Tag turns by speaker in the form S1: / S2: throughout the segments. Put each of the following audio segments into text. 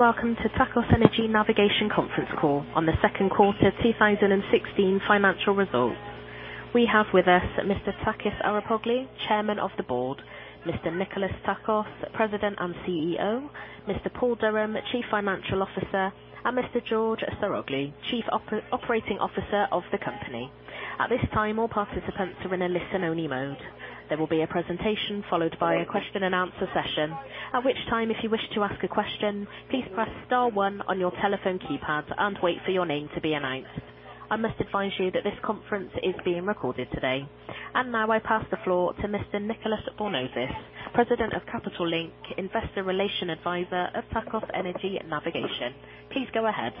S1: Welcome to Tsakos Energy Navigation conference call on the second quarter 2016 financial results. We have with us Mr. Takis Arapoglou, Chairman of the Board, Mr. Nikolas Tsakos, President and CEO, Mr. Paul Durham, Chief Financial Officer, and Mr. George Saroglou, Chief Operating Officer of the company. At this time, all participants are in a listen-only mode. There will be a presentation followed by a question and answer session. At which time, if you wish to ask a question, please press star one on your telephone keypad and wait for your name to be announced. I must advise you that this conference is being recorded today. Now I pass the floor to Mr. Nicolas Bornozis, President of Capital Link, Investor Relations Advisor of Tsakos Energy Navigation. Please go ahead.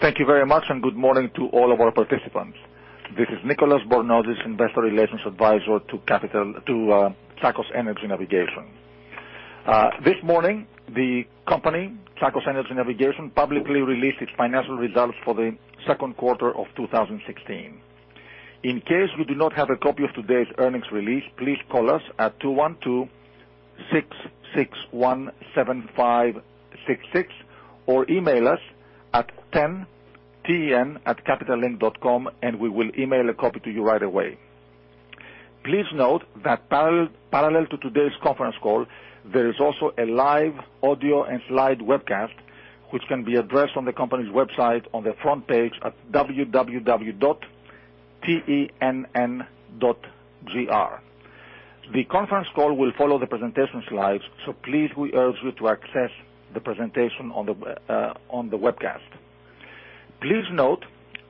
S2: Thank you very much. Good morning to all of our participants. This is Nicolas Bornozis, Investor Relations Advisor to Tsakos Energy Navigation. This morning, the company, Tsakos Energy Navigation, publicly released its financial results for the second quarter of 2016. In case you do not have a copy of today's earnings release, please call us at 212-661-7566 or email us at tenn@capitallink.com. We will email a copy to you right away. Please note that parallel to today's conference call, there is also a live audio and slide webcast, which can be addressed on the company's website on the front page at www.tenn.gr. The conference call will follow the presentation slides. Please, we urge you to access the presentation on the webcast. Please note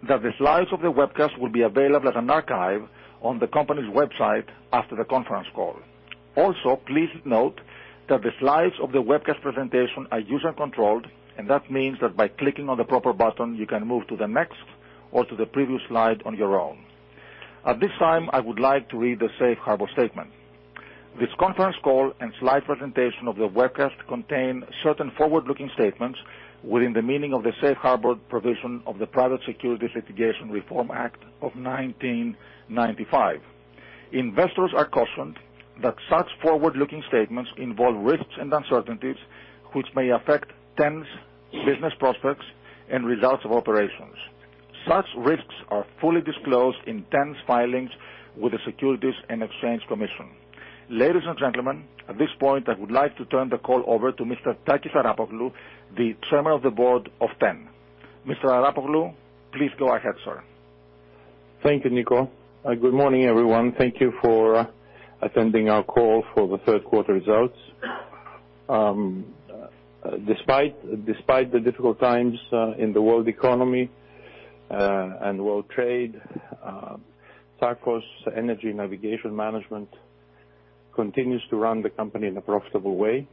S2: that the slides of the webcast will be available as an archive on the company's website after the conference call. Please note that the slides of the webcast presentation are user-controlled, and that means that by clicking on the proper button, you can move to the next or to the previous slide on your own. At this time, I would like to read the safe harbor statement. This conference call and slide presentation of the webcast contain certain forward-looking statements within the meaning of the Safe Harbor provision of the Private Securities Litigation Reform Act of 1995. Investors are cautioned that such forward-looking statements involve risks and uncertainties which may affect TEN's business prospects and results of operations. Such risks are fully disclosed in TEN's filings with the Securities and Exchange Commission. Ladies and gentlemen, at this point, I would like to turn the call over to Mr. Takis Arapoglou, the Chairman of the Board of TEN. Mr. Arapoglou, please go ahead, sir.
S3: Thank you, Nico. Good morning, everyone. Thank you for attending our call for the third quarter results. Despite the difficult times in the world economy and world trade, Tsakos Energy Navigation management continues to run the company in a profitable way.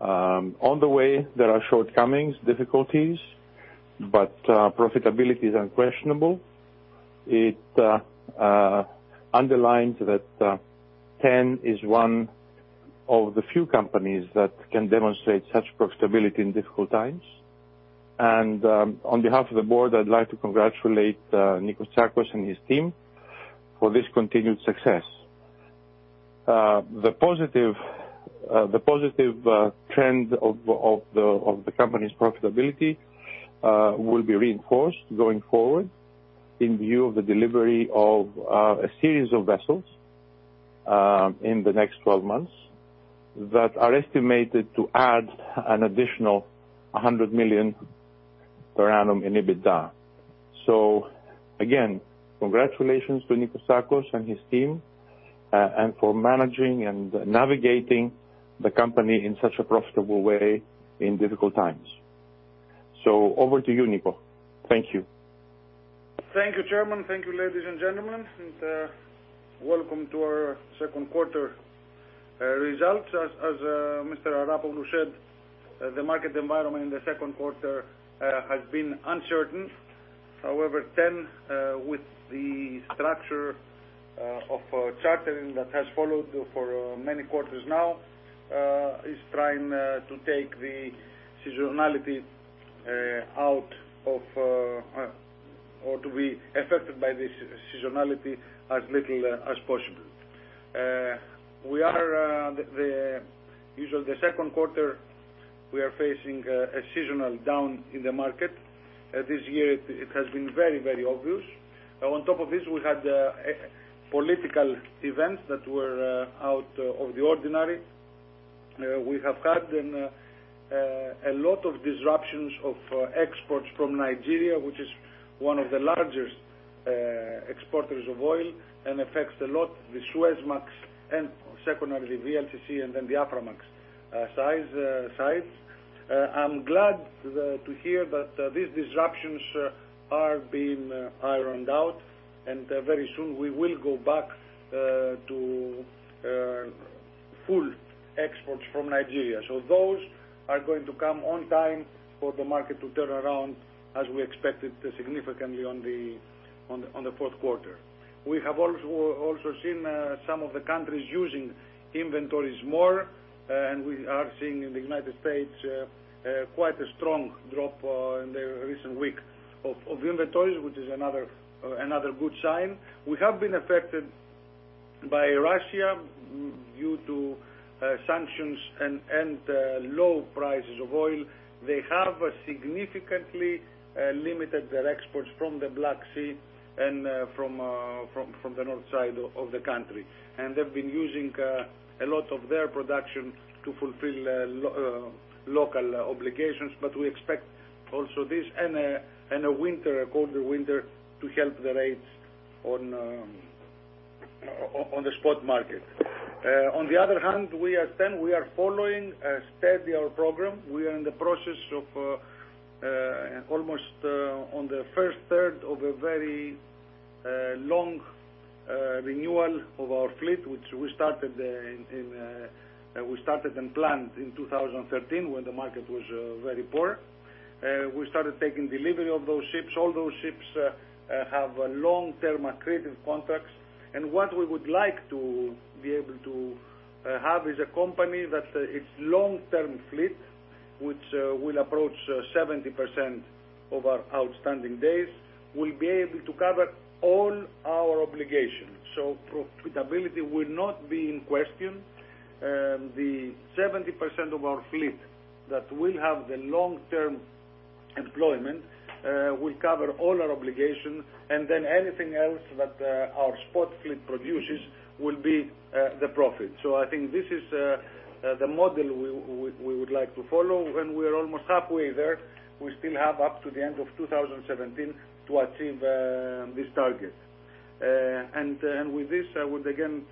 S3: On the way, there are shortcomings, difficulties. Profitability is unquestionable. It underlines that TEN is one of the few companies that can demonstrate such profitability in difficult times. On behalf of the board, I'd like to congratulate Nico Tsakos and his team for this continued success. The positive trend of the company's profitability will be reinforced going forward in view of the delivery of a series of vessels in the next 12 months that are estimated to add an additional $100 million per annum in EBITDA. Congratulations to Nico Tsakos and his team, and for managing and navigating the company in such a profitable way in difficult times. Over to you, Nico. Thank you.
S4: Thank you, Chairman. Thank you, ladies and gentlemen. Welcome to our second quarter results. As Mr. Arapoglou said, the market environment in the second quarter has been uncertain. However, TEN, with the structure of chartering that has followed for many quarters now, is trying to take the seasonality out of or to be affected by this seasonality as little as possible. Usually, the second quarter, we are facing a seasonal down in the market. This year it has been very, very obvious. On top of this, we had political events that were out of the ordinary. We have had a lot of disruptions of exports from Nigeria, which is one of the largest exporters of oil and affects a lot the Suezmax and secondly, VLCC and then the Aframax size. I'm glad to hear that these disruptions are being ironed out and very soon we will go back to full exports from Nigeria. Those are going to come on time for the market to turn around as we expected significantly on the fourth quarter. We have also seen some of the countries using inventories more, and we are seeing in the United States quite a strong drop in the recent week of inventories, which is another good sign. We have been affected by Russia, due to sanctions and low prices of oil, they have significantly limited their exports from the Black Sea and from the north side of the country. They've been using a lot of their production to fulfill local obligations. We expect also this, and a colder winter to help the rates on the spot market. On the other hand, we are TEN. We are following steady our program. We are in the process of almost on the first third of a very long renewal of our fleet, which we started and planned in 2013, when the market was very poor. We started taking delivery of those ships. All those ships have long-term accretive contracts. What we would like to be able to have is a company that its long-term fleet, which will approach 70% of our outstanding days, will be able to cover all our obligations. Profitability will not be in question. The 70% of our fleet that will have the long-term employment will cover all our obligations, and then anything else that our spot fleet produces will be the profit. I think this is the model we would like to follow, and we are almost halfway there. We still have up to the end of 2017 to achieve this target. With this, I would again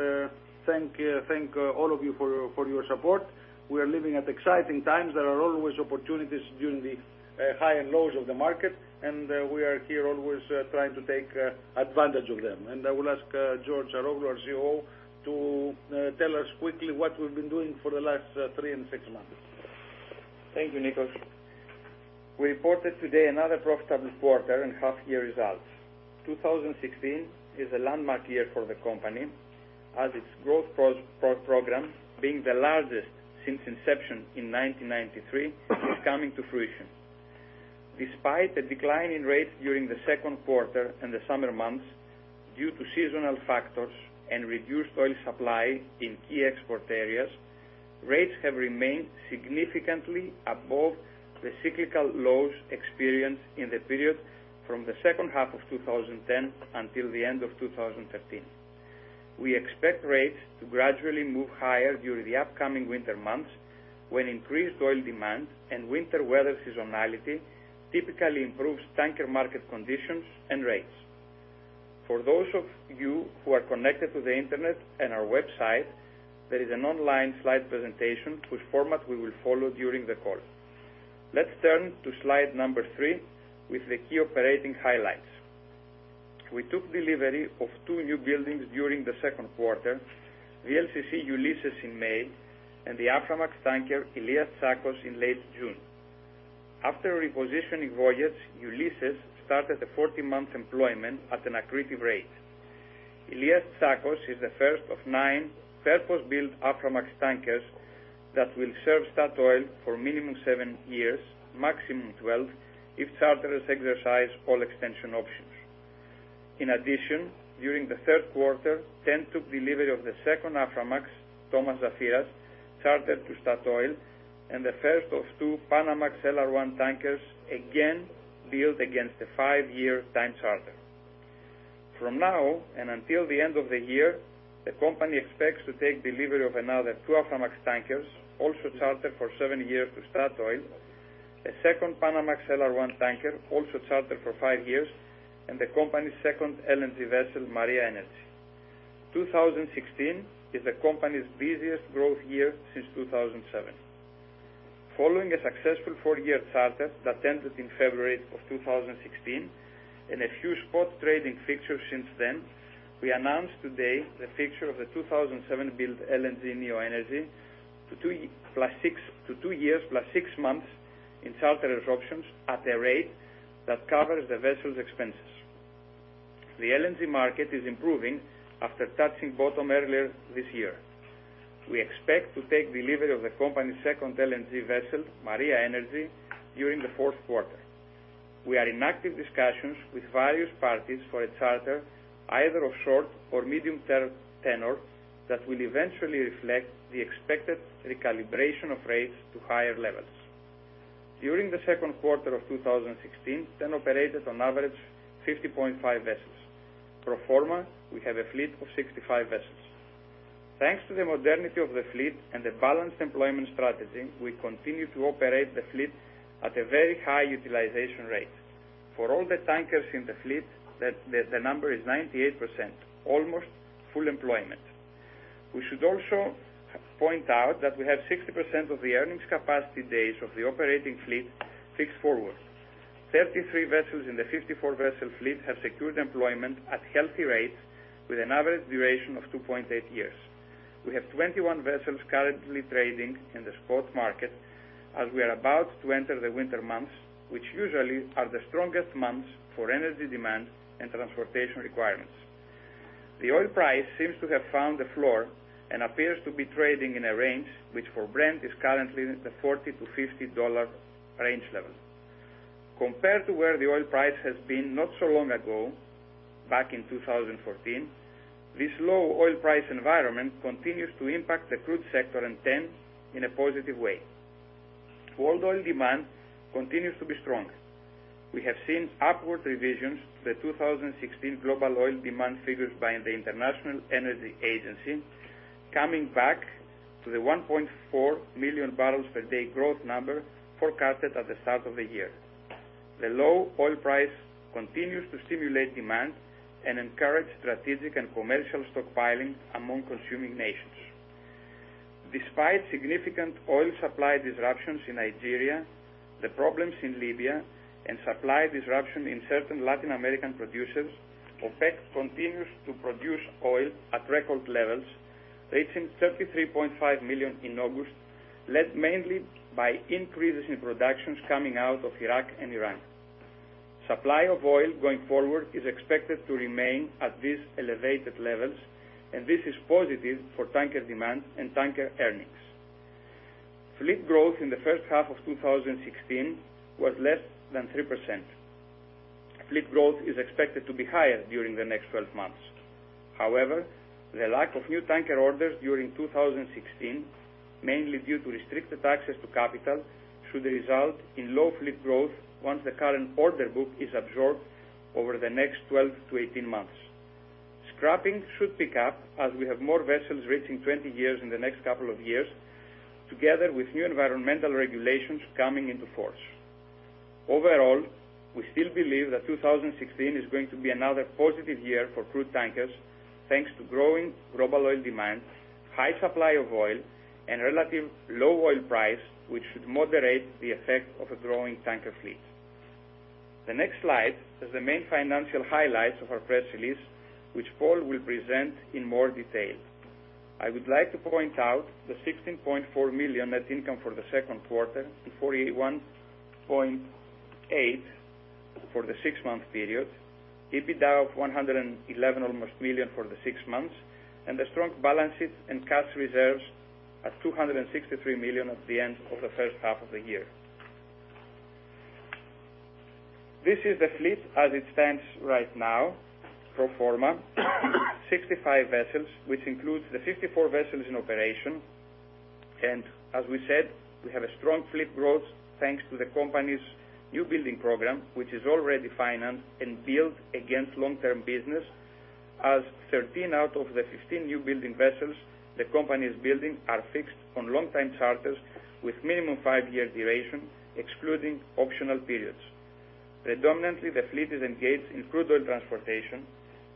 S4: thank all of you for your support. We are living at exciting times. There are always opportunities during the high and lows of the market. We are here always trying to take advantage of them. I will ask George Saroglou, our COO, to tell us quickly what we've been doing for the last three and six months.
S5: Thank you, Nico. We reported today another profitable quarter and half year results. 2016 is a landmark year for the company as its growth program, being the largest since inception in 1993, is coming to fruition. Despite a decline in rates during the second quarter and the summer months due to seasonal factors and reduced oil supply in key export areas, rates have remained significantly above the cyclical lows experienced in the period from the second half of 2010 until the end of 2013. We expect rates to gradually move higher during the upcoming winter months, when increased oil demand and winter weather seasonality typically improves tanker market conditions and rates. For those of you who are connected to the internet and our website, there is an online slide presentation whose format we will follow during the call. Let's turn to slide number three with the key operating highlights. We took delivery of two new buildings during the second quarter, the VLCC Ulysses in May, and the Aframax tanker Elias Tsakos in late June. After a repositioning voyage, Ulysses started a 40-month employment at an accretive rate. Elias Tsakos is the first of nine purpose-built Aframax tankers that will serve Statoil for minimum seven years, maximum 12, if charterers exercise all extension options. In addition, during the third quarter, TEN took delivery of the second Aframax, Thomas Zafiras, chartered to Statoil, and the first of two Panamax LR1 tankers, again built against a five-year time charter. From now and until the end of the year, the company expects to take delivery of another two Aframax tankers, also chartered for seven years to Statoil, a second Panamax LR1 tanker, also chartered for five years, and the company's second LNG vessel, Maria Energy. 2016 is the company's busiest growth year since 2007. Following a successful four-year charter that ended in February of 2016 and a few spot trading fixtures since then, we announced today the fixture of the 2007-built LNG Neo Energy to two years plus six months in charter options at a rate that covers the vessel's expenses. The LNG market is improving after touching bottom earlier this year. We expect to take delivery of the company's second LNG vessel, Maria Energy, during the fourth quarter. We are in active discussions with various parties for a charter, either of short or medium tenor, that will eventually reflect the expected recalibration of rates to higher levels. During the second quarter of 2016, TEN operated on average 50.5 vessels. Pro forma, we have a fleet of 65 vessels. Thanks to the modernity of the fleet and the balanced employment strategy, we continue to operate the fleet at a very high utilization rate. For all the tankers in the fleet, the number is 98%, almost full employment. We should also point out that we have 60% of the earnings capacity days of the operating fleet fixed forward. 33 vessels in the 54-vessel fleet have secured employment at healthy rates with an average duration of 2.8 years. We have 21 vessels currently trading in the spot market as we are about to enter the winter months, which usually are the strongest months for energy demand and transportation requirements. The oil price seems to have found the floor and appears to be trading in a range, which for Brent is currently the $40-$50 range level. Compared to where the oil price has been not so long ago, back in 2014, this low oil price environment continues to impact the crude sector and TEN in a positive way. World oil demand continues to be strong. We have seen upward revisions to the 2016 global oil demand figures by the International Energy Agency, coming back to the 1.4 million barrels per day growth number forecasted at the start of the year. The low oil price continues to stimulate demand and encourage strategic and commercial stockpiling among consuming nations. Despite significant oil supply disruptions in Nigeria, the problems in Libya, and supply disruption in certain Latin American producers, OPEC continues to produce oil at record levels, reaching 33.5 million in August, led mainly by increases in productions coming out of Iraq and Iran. Supply of oil going forward is expected to remain at these elevated levels, and this is positive for tanker demand and tanker earnings. Fleet growth in the first half of 2016 was less than 3%. Fleet growth is expected to be higher during the next 12 months. However, the lack of new tanker orders during 2016, mainly due to restricted access to capital, should result in low fleet growth once the current order book is absorbed over the next 12-18 months. Scrapping should pick up as we have more vessels reaching 20 years in the next couple of years, together with new environmental regulations coming into force. Overall, we still believe that 2016 is going to be another positive year for crude tankers, thanks to growing global oil demand, high supply of oil, and relative low oil price, which should moderate the effect of a growing tanker fleet. The next slide is the main financial highlights of our press release, which Paul will present in more detail. I would like to point out the $16.4 million net income for the second quarter to $41.8 million for the six-month period, EBITDA of $111 almost million for the six months, and the strong balances and cash reserves at $263 million at the end of the first half of the year. This is the fleet as it stands right now, pro forma, 65 vessels, which includes the 54 vessels in operation. As we said, we have a strong fleet growth thanks to the company's new building program, which is already financed and built against long-term business, as 13 out of the 15 new building vessels the company is building are fixed on long-time charters with minimum five-year duration, excluding optional periods. Predominantly, the fleet is engaged in crude oil transportation.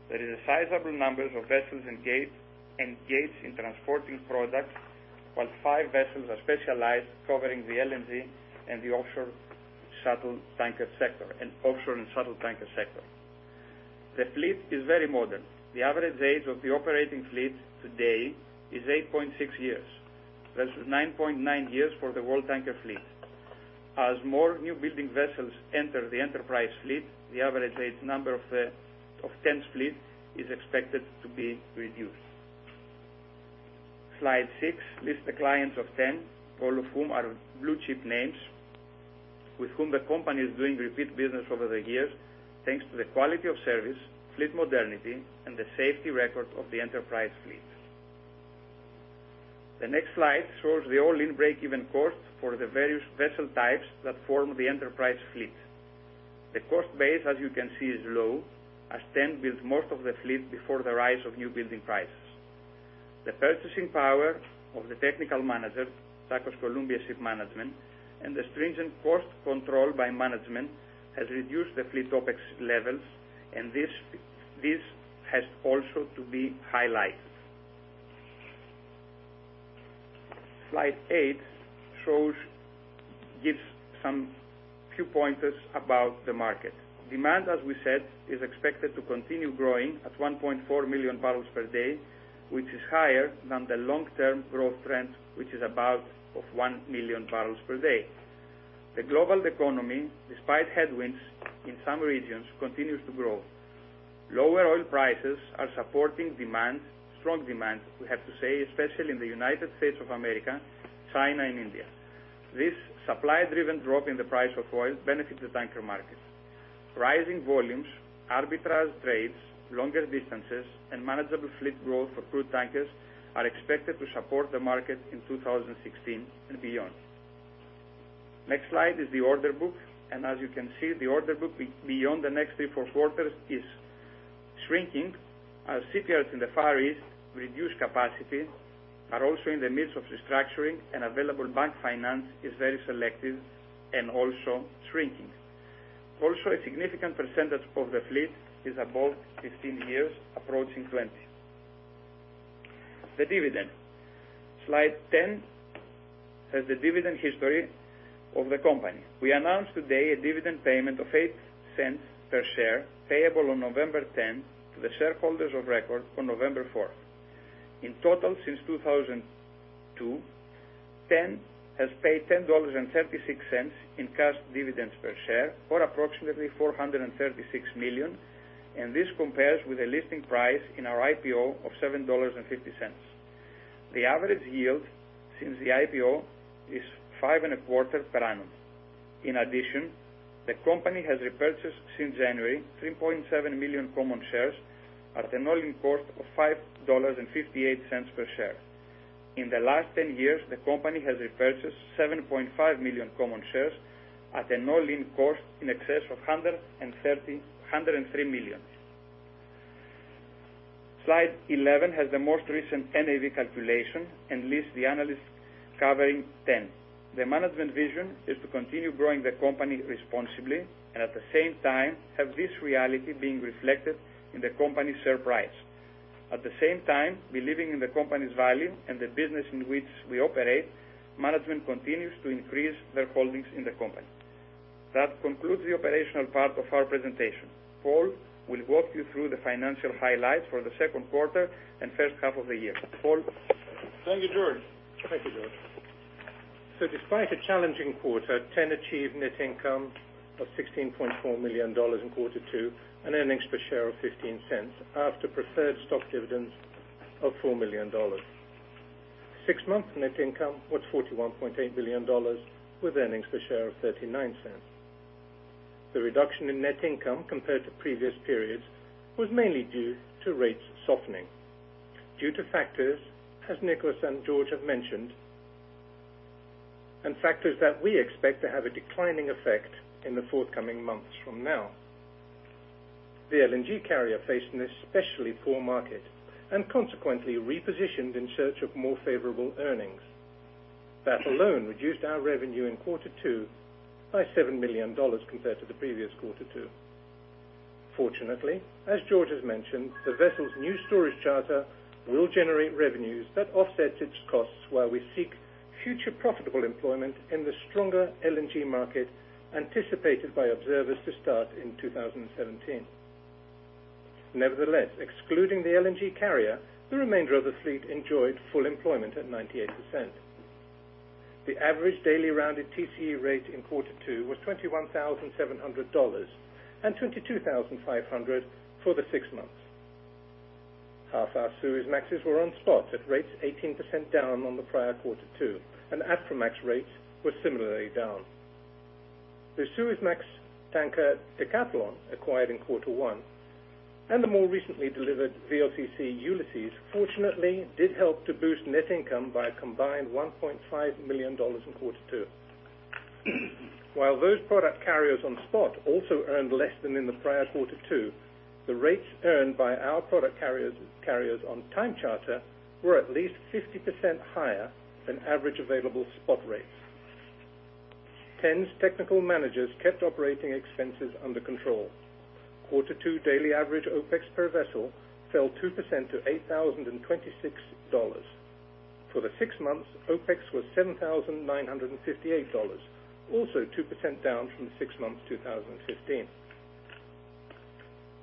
S5: There is a sizable number of vessels engaged in transporting products, while five vessels are specialized, covering the LNG and the offshore and shuttle tanker sector. The fleet is very modern. The average age of the operating fleet today is 8.6 years, versus 9.9 years for the world tanker fleet. As more new building vessels enter the Enterprise fleet, the average age number of TEN's fleet is expected to be reduced. Slide six lists the clients of TEN, all of whom are blue-chip names with whom the company is doing repeat business over the years, thanks to the quality of service, fleet modernity, and the safety record of the Enterprise fleet. The next slide shows the all-in breakeven cost for the various vessel types that form the Enterprise fleet. The cost base, as you can see, is low, as TEN built most of the fleet before the rise of new building prices. The purchasing power of the technical manager, Tsakos Columbia Shipmanagement, and the stringent cost control by management has reduced the fleet OpEx levels, this has also to be highlighted. Slide eight gives some few pointers about the market. Demand, as we said, is expected to continue growing at 1.4 million barrels per day, which is higher than the long-term growth trend, which is about of 1 million barrels per day. The global economy, despite headwinds in some regions, continues to grow. Lower oil prices are supporting demand, strong demand, we have to say, especially in the United States of America, China, and India. This supply-driven drop in the price of oil benefits the tanker market. Rising volumes, arbitrage trades, longer distances, and manageable fleet growth for crude tankers are expected to support the market in 2016 and beyond. Next slide is the order book, as you can see, the order book beyond the next three, four quarters is shrinking as shipyards in the Far East reduce capacity, are also in the midst of restructuring, available bank finance is very selective and also shrinking. Also, a significant percentage of the fleet is above 15 years, approaching 20. The dividend. Slide 10 has the dividend history of the company. We announced today a dividend payment of $0.08 per share, payable on November 10th to the shareholders of record on November 4th. In total, since 2002, TEN has paid $10.36 in cash dividends per share, or approximately $436 million, this compares with a listing price in our IPO of $7.50. The average yield since the IPO is five and a quarter per annum. In addition, the company has repurchased since January, 3.7 million common shares at an all-in cost of $5.58 per share. In the last 10 years, the company has repurchased 7.5 million common shares at an all-in cost in excess of $103 million. Slide 11 has the most recent NAV calculation and lists the analysts covering TEN. The management vision is to continue growing the company responsibly, at the same time, have this reality being reflected in the company's share price. At the same time, believing in the company's value and the business in which we operate, management continues to increase their holdings in the company. That concludes the operational part of our presentation. Paul will walk you through the financial highlights for the second quarter and first half of the year. Paul?
S6: Thank you, George. Despite a challenging quarter, TEN achieved net income of $16.4 million in quarter two and earnings per share of $0.15 after preferred stock dividends of $4 million. Six-month net income was $41.8 million, with earnings per share of $0.39. The reduction in net income compared to previous periods was mainly due to rates softening due to factors, as Nikolas and George have mentioned, and factors that we expect to have a declining effect in the forthcoming months from now. The LNG carrier faced an especially poor market and consequently repositioned in search of more favorable earnings. That alone reduced our revenue in quarter two by $7 million compared to the previous quarter two. Fortunately, as George has mentioned, the vessel's new storage charter will generate revenues that offset its costs while we seek future profitable employment in the stronger LNG market anticipated by observers to start in 2017. Nevertheless, excluding the LNG carrier, the remainder of the fleet enjoyed full employment at 98%. The average daily rounded TCE rate in quarter two was $21,700 and $22,500 for the six months. Half our Suezmaxes were on spot at rates 18% down on the prior quarter two, and Aframax rates were similarly down. The Suezmax tanker Decathlon acquired in quarter one and the more recently delivered VLCC Ulysses fortunately did help to boost net income by a combined $1.5 million in quarter two. While those product carriers on spot also earned less than in the prior quarter two, the rates earned by our product carriers on time charter were at least 50% higher than average available spot rates. TEN's technical managers kept operating expenses under control. Quarter two daily average OpEx per vessel fell 2% to $8,026. For the six months, OpEx was $7,958, also 2% down from the six months 2015.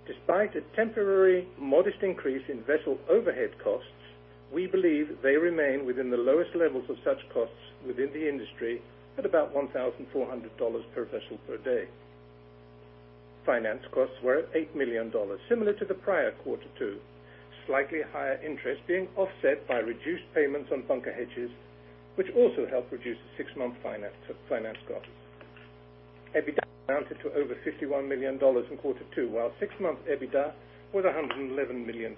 S6: Despite a temporary modest increase in vessel overhead costs, we believe they remain within the lowest levels of such costs within the industry at about $1,400 per vessel per day. Finance costs were at $8 million, similar to the prior quarter two, slightly higher interest being offset by reduced payments on bunker hedges, which also helped reduce the six-month finance costs. EBITDA amounted to over $51 million in quarter two, while six-month EBITDA was $111 million.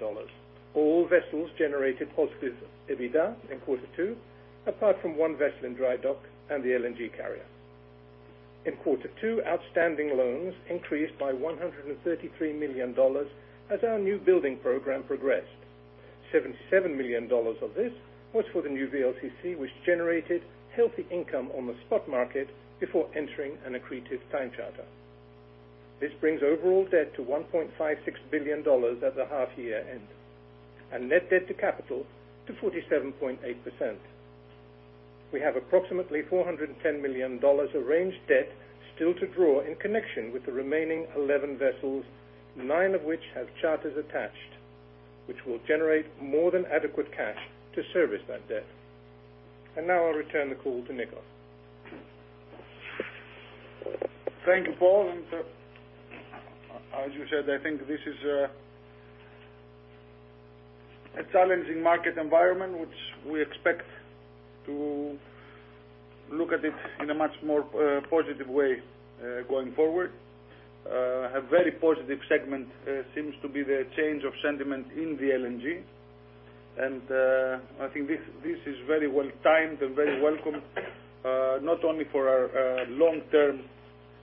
S6: All vessels generated positive EBITDA in quarter two, apart from one vessel in dry dock and the LNG carrier. In quarter two, outstanding loans increased by $133 million as our new building program progressed. $77 million of this was for the new VLCC, which generated healthy income on the spot market before entering an accretive time charter. This brings overall debt to $1.56 billion at the half year end, and net debt to capital to 47.8%. We have approximately $410 million arranged debt still to draw in connection with the remaining 11 vessels, nine of which have charters attached, which will generate more than adequate cash to service that debt. Now I'll return the call to Nikolas.
S4: Thank you, Paul. As you said, I think this is a challenging market environment, which we expect to look at it in a much more positive way going forward. A very positive segment seems to be the change of sentiment in the LNG. I think this is very well timed and very welcome, not only for our long-term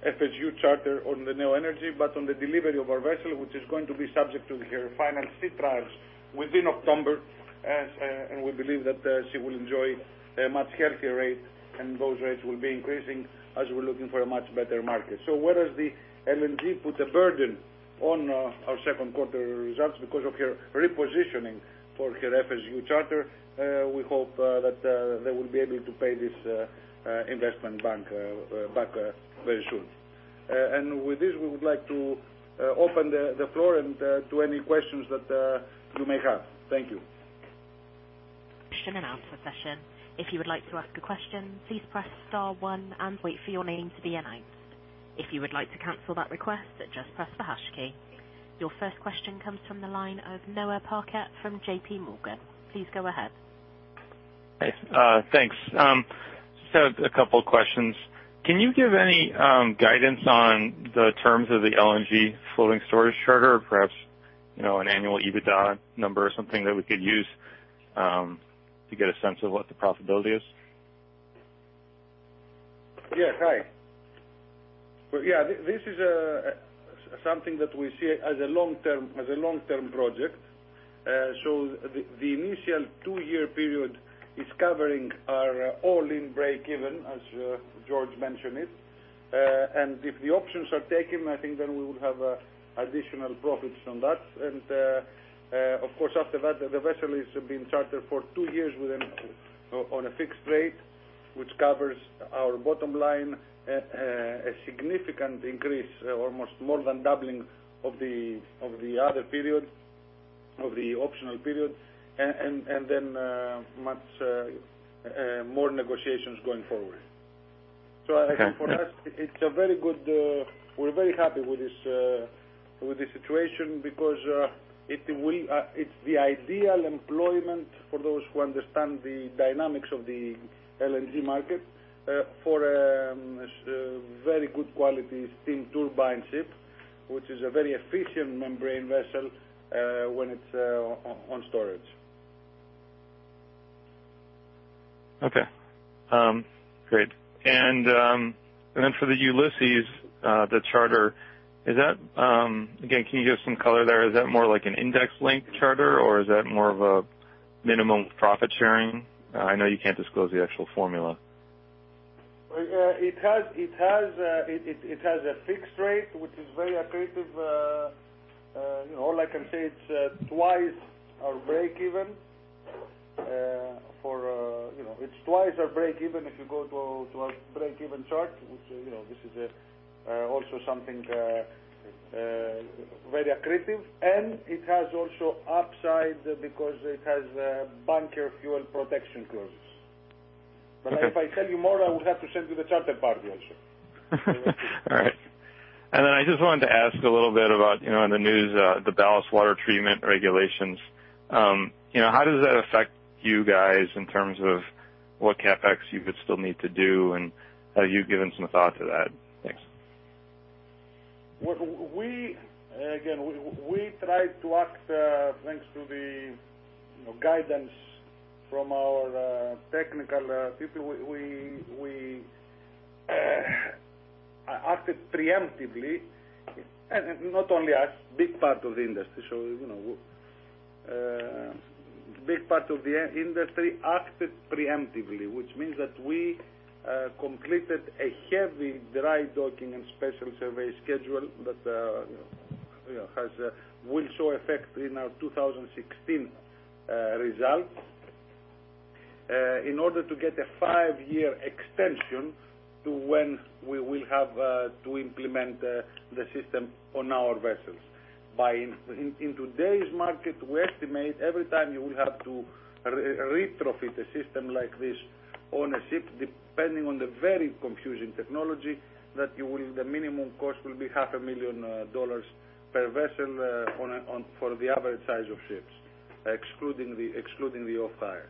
S4: FSU charter on the Neo Energy, but on the delivery of our vessel, which is going to be subject to her final sea trials within October. We believe that she will enjoy a much healthier rate, and those rates will be increasing as we're looking for a much better market. Whereas the LNG put a burden on our second quarter results because of her repositioning for her FSU charter, we hope that they will be able to pay this investment back very soon.
S5: With this, we would like to open the floor and to any questions that you may have. Thank you.
S1: Question and answer session. If you would like to ask a question, please press star one and wait for your name to be announced. If you would like to cancel that request, just press the hash key. Your first question comes from the line of Noah Parquette from JP Morgan. Please go ahead.
S7: Hey. Thanks. Just have a couple of questions. Can you give any guidance on the terms of the LNG floating storage charter? Perhaps, an annual EBITDA number or something that we could use to get a sense of what the profitability is?
S4: Yeah. Hi. This is something that we see as a long-term project. The initial two-year period is covering our all-in breakeven, as George mentioned it. If the options are taken, I think we will have additional profits from that. Of course, after that, the vessel is being chartered for two years on a fixed rate, which covers our bottom line at a significant increase, almost more than doubling of the other period, of the optional period. Much more negotiations going forward. I think for us, we're very happy with this situation because it's the ideal employment for those who understand the dynamics of the LNG market for a very good quality steam turbine ship, which is a very efficient membrane vessel when it's on storage.
S7: Okay. Great. For the Ulysses, the charter, again, can you give some color there? Is that more like an index linked charter or is that more of a minimum profit sharing? I know you can't disclose the actual formula.
S4: It has a fixed rate, which is very accretive. All I can say, it's twice our breakeven. If you go to our breakeven chart, this is also something very accretive, it has also upside because it has bunker fuel protection clauses. If I tell you more, I will have to send you the charter party also.
S7: All right. I just wanted to ask a little bit about, in the news, the ballast water treatment regulations. How does that affect you guys in terms of what CapEx you could still need to do, have you given some thought to that? Thanks.
S4: Again, we tried to act thanks to the guidance from our technical people. We acted preemptively, and not only us, big part of the industry. Big part of the industry acted preemptively, which means that we completed a heavy dry docking and special survey schedule that will show effect in our 2016 results. In order to get a five-year extension to when we will have to implement the system on our vessels. In today's market, we estimate every time you will have to retrofit a system like this on a ship, depending on the very confusing technology, that the minimum cost will be half a million dollars per vessel for the average size of ships, excluding the off-hire.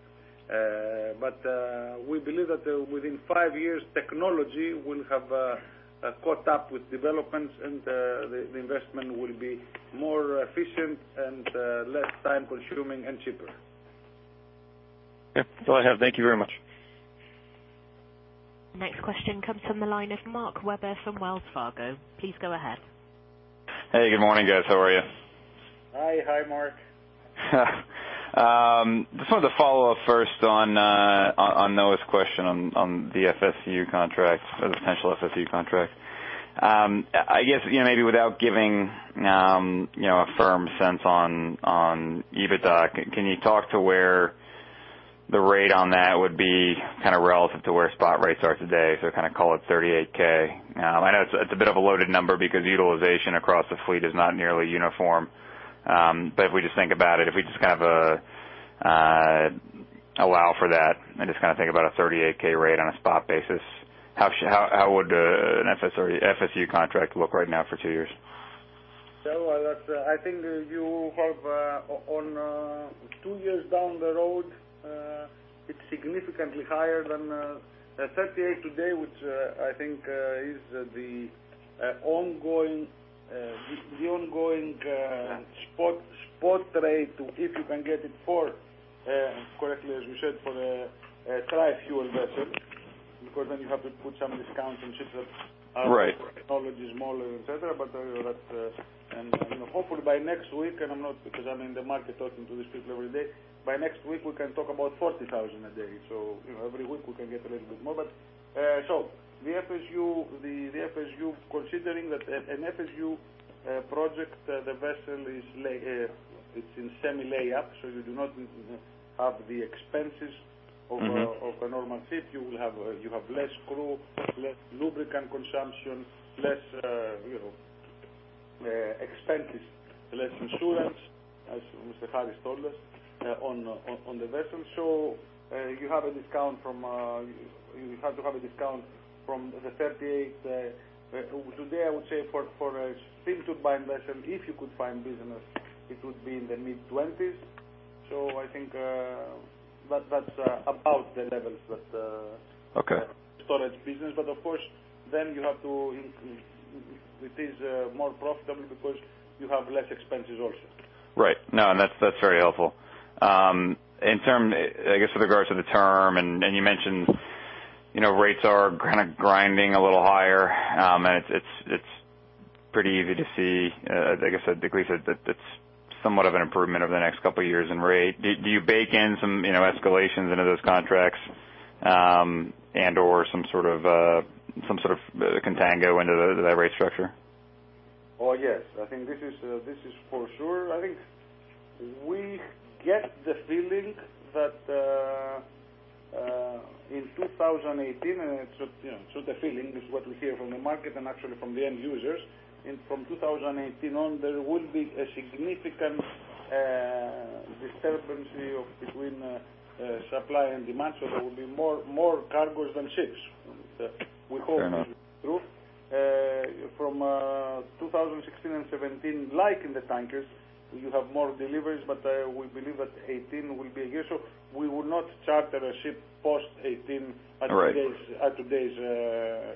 S4: We believe that within five years, technology will have caught up with developments, and the investment will be more efficient and less time-consuming and cheaper.
S7: Okay. That's all I have. Thank you very much.
S1: Next question comes from the line of Mark Webber from Wells Fargo. Please go ahead.
S8: Hey, good morning, guys. How are you?
S4: Hi, Mark.
S8: Just wanted to follow up first on Noah's question on the FSU contract or the potential FSU contract. I guess, maybe without giving a firm sense on EBITDA, can you talk to where the rate on that would be relative to where spot rates are today? Call it $38,000. I know it's a bit of a loaded number because utilization across the fleet is not nearly uniform. If we just think about it, if we just allow for that and just think about a $38,000 rate on a spot basis, how would an FSU contract look right now for two years?
S4: I think you have on two years down the road, it's significantly higher than $38 today, which I think is the ongoing spot rate, if you can get it for, correctly as you said, for a tri-fuel vessel, because then you have to put some discounts on ships that are technologically smaller, et cetera. Hopefully by next week, because I'm in the market talking to these people every day, by next week, we can talk about $40,000 a day. Every week we can get a little bit more. The FSU, considering that an FSU project, the vessel is in semi lay-up, you do not have the expenses of a normal ship. You have less crew, less lubricant consumption, less Expenses, less insurance, as Mr. Harris told us, on the vessel. You have to have a discount from the $38. Today, I would say for a time-to-buy investment, if you could find business, it would be in the mid-$20s. I think that's about the levels that-
S8: Okay
S4: storage business, but of course, then it is more profitable because you have less expenses also.
S8: Right. No, that's very helpful. I guess with regards to the term, and you mentioned rates are kind of grinding a little higher, and it's pretty easy to see, I guess, a decrease that's somewhat of an improvement over the next couple of years in rate. Do you bake in some escalations into those contracts, and/or some sort of contango into that rate structure?
S4: Oh, yes. I think this is for sure. I think we get the feeling that, in 2018, it's just a feeling, this is what we hear from the market and actually from the end users. From 2018 on, there will be a significant disturbance between supply and demand. There will be more cargos than ships. We hope this is true.
S8: Fair enough.
S4: From 2016 and 2017, like in the tankers, you have more deliveries. We believe that 2018 will be a year. We will not charter a ship post 2018.
S8: Right
S4: At today's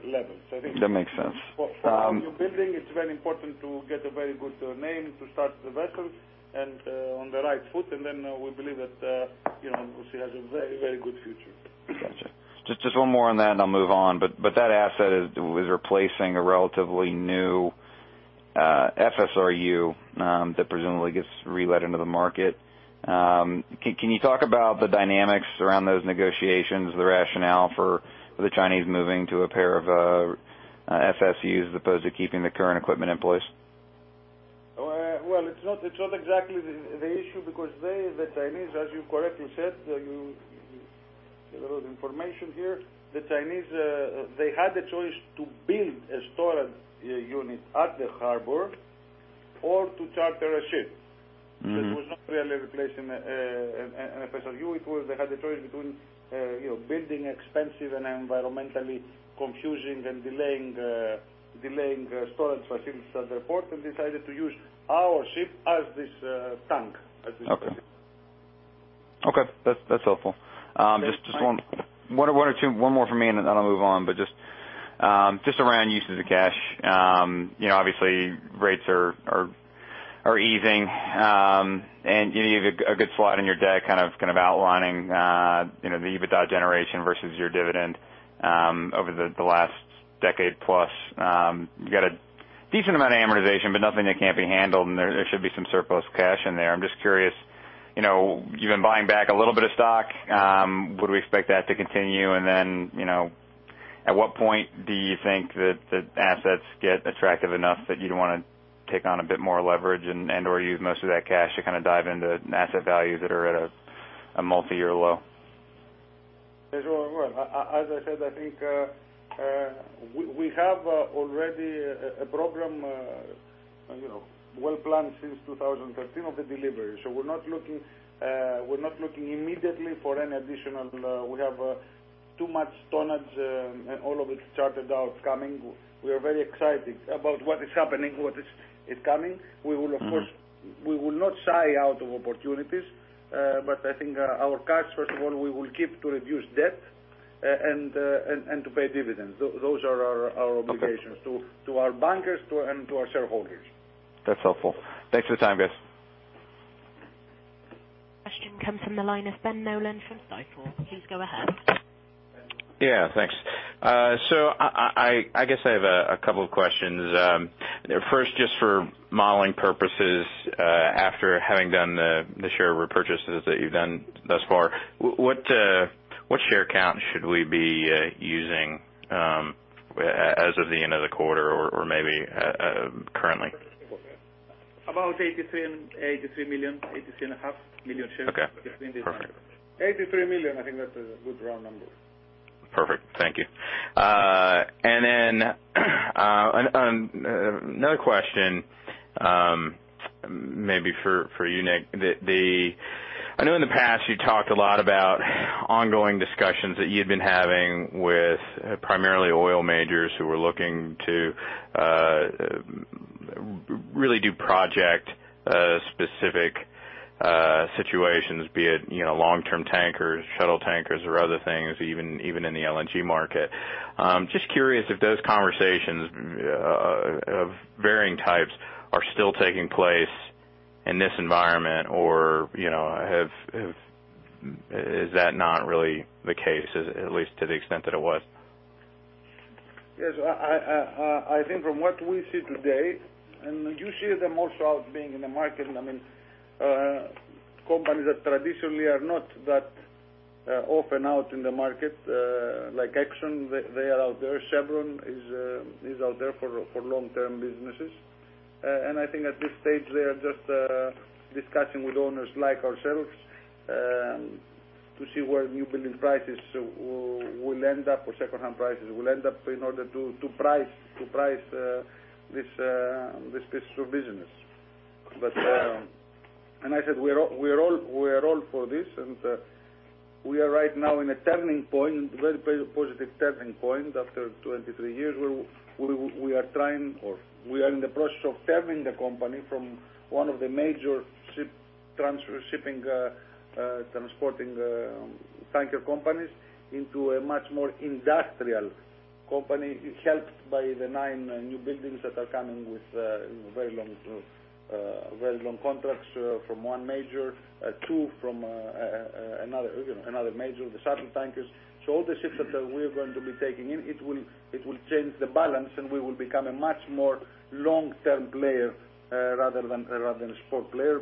S4: levels.
S8: That makes sense.
S4: For new building, it's very important to get a very good name to start the vessels and on the right foot. We believe that she has a very good future.
S8: Got you. Just one more on that and I'll move on, that asset is replacing a relatively new FSRU that presumably gets re-let into the market. Can you talk about the dynamics around those negotiations, the rationale for the Chinese moving to a pair of FSU as opposed to keeping the current equipment in place?
S4: Well, it's not exactly the issue because they, the Chinese, as you correctly said, you gave a lot of information here. The Chinese had the choice to build a storage unit at the harbor or to charter a ship. It was not really replacing an FSRU. They had a choice between building expensive and environmentally confusing and delaying storage facilities at the port, and decided to use our ship as this tank.
S8: Okay. That's helpful.
S4: Yes, Mark.
S8: Just one more from me, then I'll move on. Just around usage of cash. Obviously rates are easing, and you gave a good slot in your deck, kind of outlining the EBITDA generation versus your dividend over the last decade plus. You've got a decent amount of amortization, but nothing that can't be handled, and there should be some surplus cash in there. I'm just curious, you've been buying back a little bit of stock. Would we expect that to continue? At what point do you think that the assets get attractive enough that you'd want to take on a bit more leverage and/or use most of that cash to dive into asset values that are at a multi-year low?
S4: Well, as I said, I think we have already a program well planned since 2013 of the delivery. We're not looking immediately for any additional. We have too much tonnage all of it chartered out coming. We are very excited about what is happening, what is coming. We will, of course, we will not shy out of opportunities. I think our cash, first of all, we will keep to reduce debt and to pay dividends. Those are our obligations.
S8: Okay
S4: to our bankers and to our shareholders.
S8: That's helpful. Thanks for the time, guys.
S1: Question comes from the line of Ben Nolan from Stifel. Please go ahead.
S9: Yeah, thanks. I guess I have a couple of questions. First, just for modeling purposes, after having done the share repurchases that you've done thus far, what share count should we be using as of the end of the quarter or maybe currently?
S4: About 83 million, 83 and a half million shares.
S9: Okay. Perfect.
S4: 83 million, I think that's a good round number.
S9: Perfect. Thank you. Another question maybe for you, Nick. I know in the past you talked a lot about ongoing discussions that you'd been having with primarily oil majors who were looking to really do project-specific situations, be it long-term tankers, shuttle tankers or other things, even in the LNG market. Just curious if those conversations of varying types are still taking place in this environment, or is that not really the case, at least to the extent that it was?
S4: Yes. I think from what we see today, you see them also out being in the market. I mean companies that traditionally are not that often out in the market, like Exxon, they are out there. Chevron is out there for long-term businesses. I said, we're all for this, and we are right now in a very positive turning point after 23 years. We are trying or we are in the process of turning the company from one of the major shipping, transporting tanker companies into a much more industrial company, helped by the nine new buildings that are coming with very long contracts from one major, two from another major, the shuttle tankers. All the ships that we're going to be taking in, it will change the balance, and we will become a much more long-term player rather than a spot player.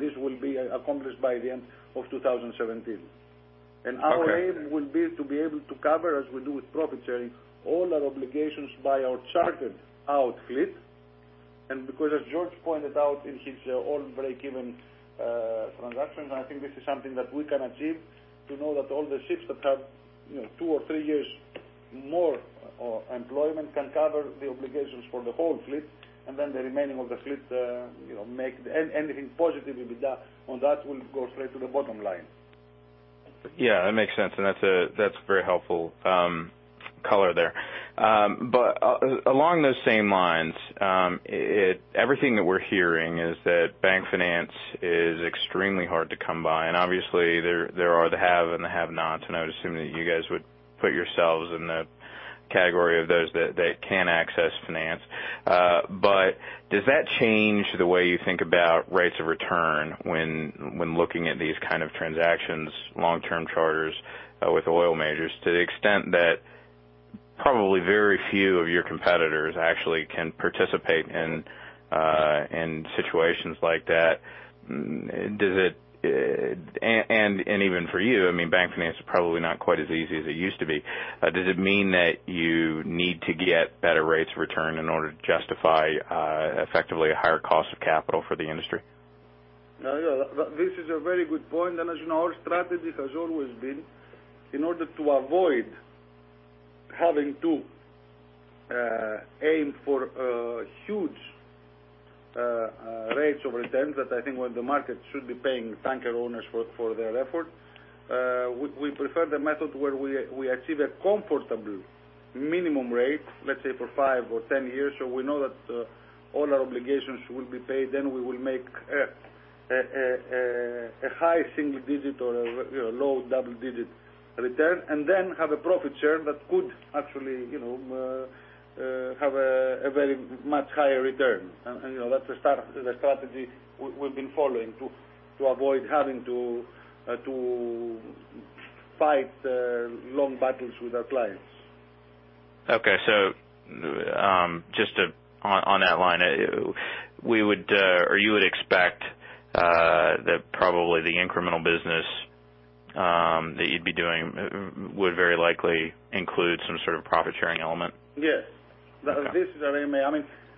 S4: This will be accomplished by the end of 2017.
S9: Okay. Our aim will be to be able to cover, as we do with profit sharing, all our obligations by our chartered out fleet. As George pointed out in his own break-even transactions, I think this is something that we can achieve. We know that all the ships that have two or three years more employment can cover the obligations for the whole fleet, then the remaining of the fleet, anything positive on that will go straight to the bottom line. Yeah, that makes sense. That's very helpful color there. Along those same lines, everything that we're hearing is that bank finance is extremely hard to come by. Obviously there are the have and the have-nots, I would assume that you guys would put yourselves in the category of those that can access finance. Does that change the way you think about rates of return when looking at these kind of transactions, long-term charters with oil majors, to the extent that probably very few of your competitors actually can participate in situations like that. Even for you, bank finance is probably not quite as easy as it used to be. Does it mean that you need to get better rates of return in order to justify effectively a higher cost of capital for the industry?
S4: Yeah. This is a very good point. As you know, our strategy has always been in order to avoid having to aim for huge rates of returns. When the market should be paying tanker owners for their effort, we prefer the method where we achieve a comfortable minimum rate, let's say, for five or 10 years. We know that all our obligations will be paid. We will make a high single digit or a low double-digit return, have a profit share that could actually have a very much higher return. That's the strategy we've been following to avoid having to fight long battles with our clients.
S9: Okay. Just on that line, you would expect that probably the incremental business that you'd be doing would very likely include some sort of profit-sharing element?
S4: Yes.
S9: Okay.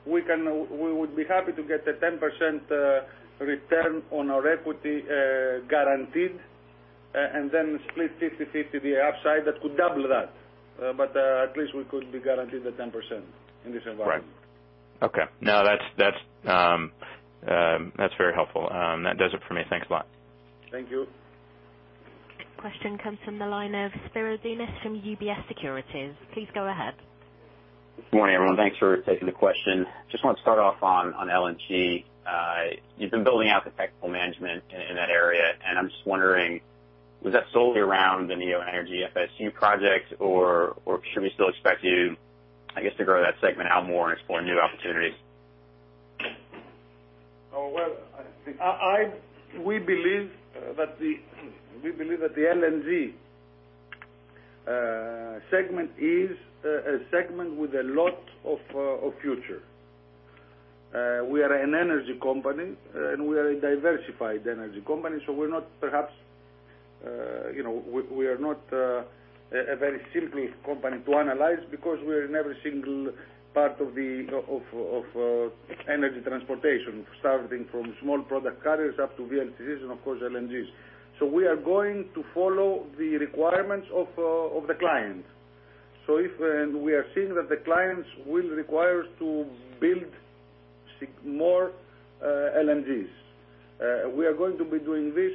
S4: We would be happy to get a 10% return on our equity guaranteed, and then split 50/50 the upside that could double that. At least we could be guaranteed the 10% in this environment.
S9: Right. Okay. No, that's very helpful. That does it for me. Thanks a lot.
S4: Thank you.
S1: Question comes from the line of Spiro Dounis from UBS Securities. Please go ahead.
S10: Good morning, everyone. Thanks for taking the question. Just want to start off on LNG. You've been building out the technical management in that area, I'm just wondering, was that solely around the Neo Energy FSU project, or should we still expect you, I guess, to grow that segment out more and explore new opportunities?
S4: We believe that the LNG segment is a segment with a lot of future. We are an energy company, and we are a diversified energy company. We are not a very simple company to analyze because we are in every single part of energy transportation, starting from small product carriers up to VLCCs and, of course, LNGs. We are going to follow the requirements of the client. If we are seeing that the clients will require us to build more LNGs, we are going to be doing this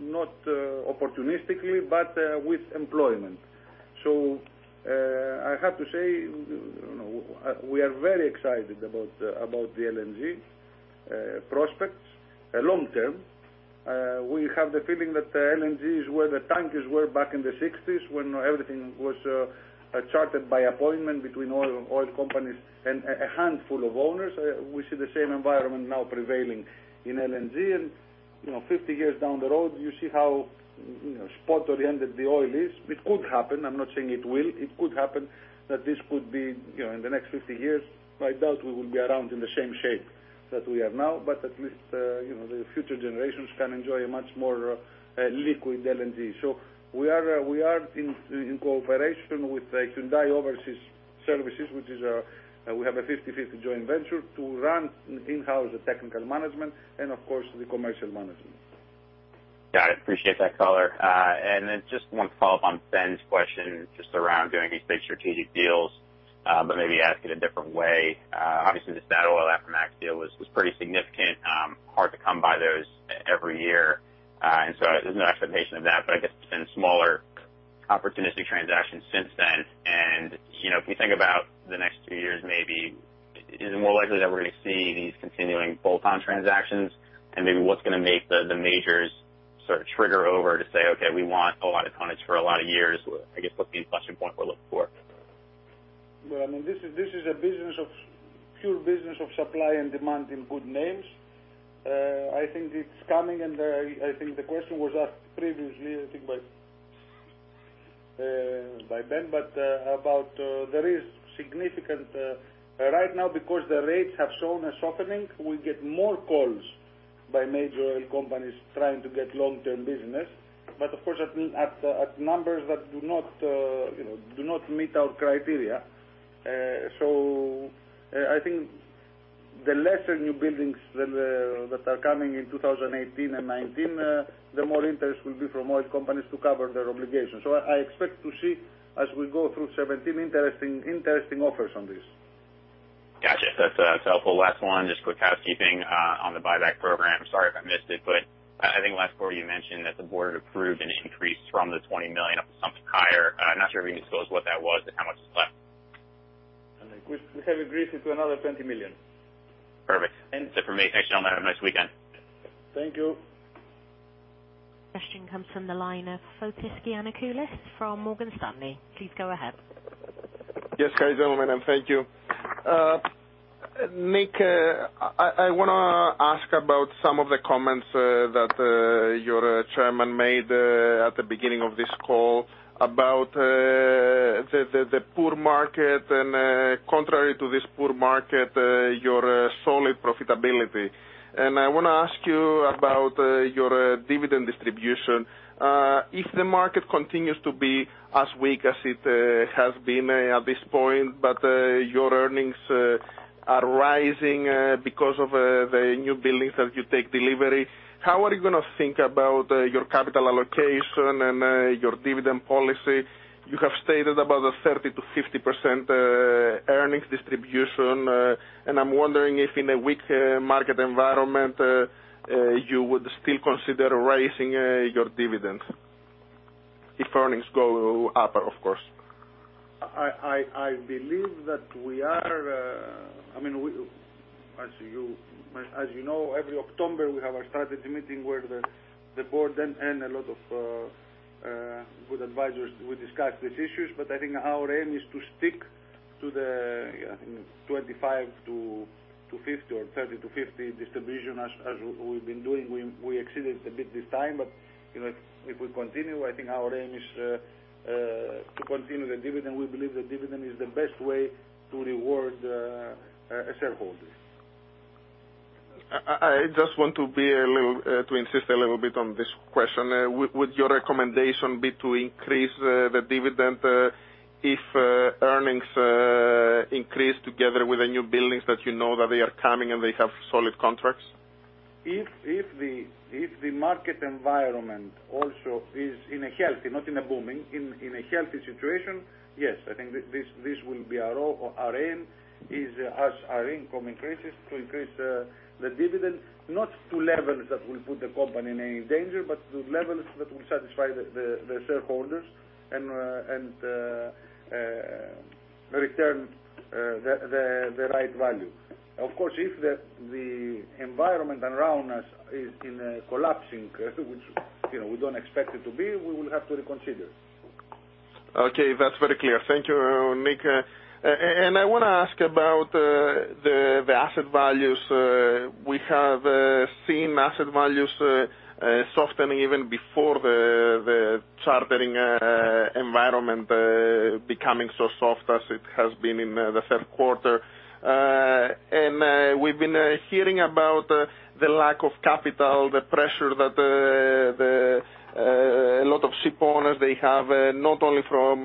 S4: not opportunistically, but with employment. I have to say, we are very excited about the LNG prospects long term. We have the feeling that LNG is where the tankers were back in the '60s when everything was chartered by appointment between oil companies and a handful of owners. We see the same environment now prevailing in LNG. 50 years down the road, you see how spot-oriented the oil is. It could happen. I'm not saying it will. It could happen that this could be in the next 50 years. I doubt we will be around in the same shape that we are now, but at least the future generations can enjoy a much more liquid LNG. We are in cooperation with Hyundai Overseas Services. We have a 50/50 joint venture to run in-house technical management and, of course, the commercial management.
S10: Got it. Appreciate that color. Just want to follow up on Ben's question just around doing these big strategic deals, but maybe ask it a different way. Obviously, the Statoil Aframax deal was pretty significant. Hard to come by those every year. So there's no expectation of that, but I guess it's been smaller opportunistic transactions since then. If we think about the next few years, maybe, is it more likely that we're going to see these continuing bolt-on transactions? Maybe what's going to make the majors sort of trigger over to say, "Okay, we want a lot of tonnage for a lot of years"? I guess, what's the inflection point we're looking for?
S4: Well, this is a pure business of supply and demand in good names. I think it's coming, and I think the question was asked previously, I think by Ben, but about there is significant right now because the rates have shown a softening. We get more calls by major oil companies trying to get long-term business. Of course, at numbers that do not meet our criteria. I think the lesser newbuildings that are coming in 2018 and 2019, the more interest will be from oil companies to cover their obligations. I expect to see, as we go through 2017, interesting offers on this.
S10: Got you. That's helpful. Last one, just quick housekeeping on the buyback program. Sorry if I missed it, but I think last quarter you mentioned that the board approved an increase from the $20 million up to something higher. I'm not sure if you can disclose what that was and how much is left.
S4: We have increased it to another $20 million.
S10: Perfect. Thanks for the information, gentlemen. Have a nice weekend.
S4: Thank you.
S1: Question comes from the line of Fotis Giannakoulis from Morgan Stanley. Please go ahead.
S11: Yes. Hi, gentlemen, and thank you. Nik, I want to ask about some of the comments that your chairman made at the beginning of this call about the poor market and contrary to this poor market, your solid profitability. I want to ask you about your dividend distribution. If the market continues to be as weak as it has been at this point, but your earnings are rising because of the newbuildings as you take delivery, how are you going to think about your capital allocation and your dividend policy? You have stated about a 30%-50% earnings distribution. I'm wondering if in a weak market environment, you would still consider raising your dividends. If earnings go upper, of course.
S4: As you know, every October, we have our strategy meeting where the board and a lot of good advisors, we discuss these issues. I think our aim is to stick to the, I think, 25%-50% or 30%-50% distribution as we've been doing. We exceeded it a bit this time, if we continue, I think our aim is to continue the dividend. We believe the dividend is the best way to reward shareholders.
S11: I just want to insist a little bit on this question. Would your recommendation be to increase the dividend if earnings increase together with the newbuildings that you know that they are coming and they have solid contracts?
S4: If the market environment also is in a healthy, not in a booming, in a healthy situation, yes, I think this will be our aim as our income increases, to increase the dividend, not to levels that will put the company in any danger, but to levels that will satisfy the shareholders and return the right value. Of course, if the environment around us is in a collapsing, which we don't expect it to be, we will have to reconsider.
S11: Okay. That's very clear. Thank you, Nik. I want to ask about the asset values. We have seen asset values softening even before the chartering environment becoming so soft as it has been in the third quarter. We've been hearing about the lack of capital, the pressure that a lot of shipowners, they have, not only from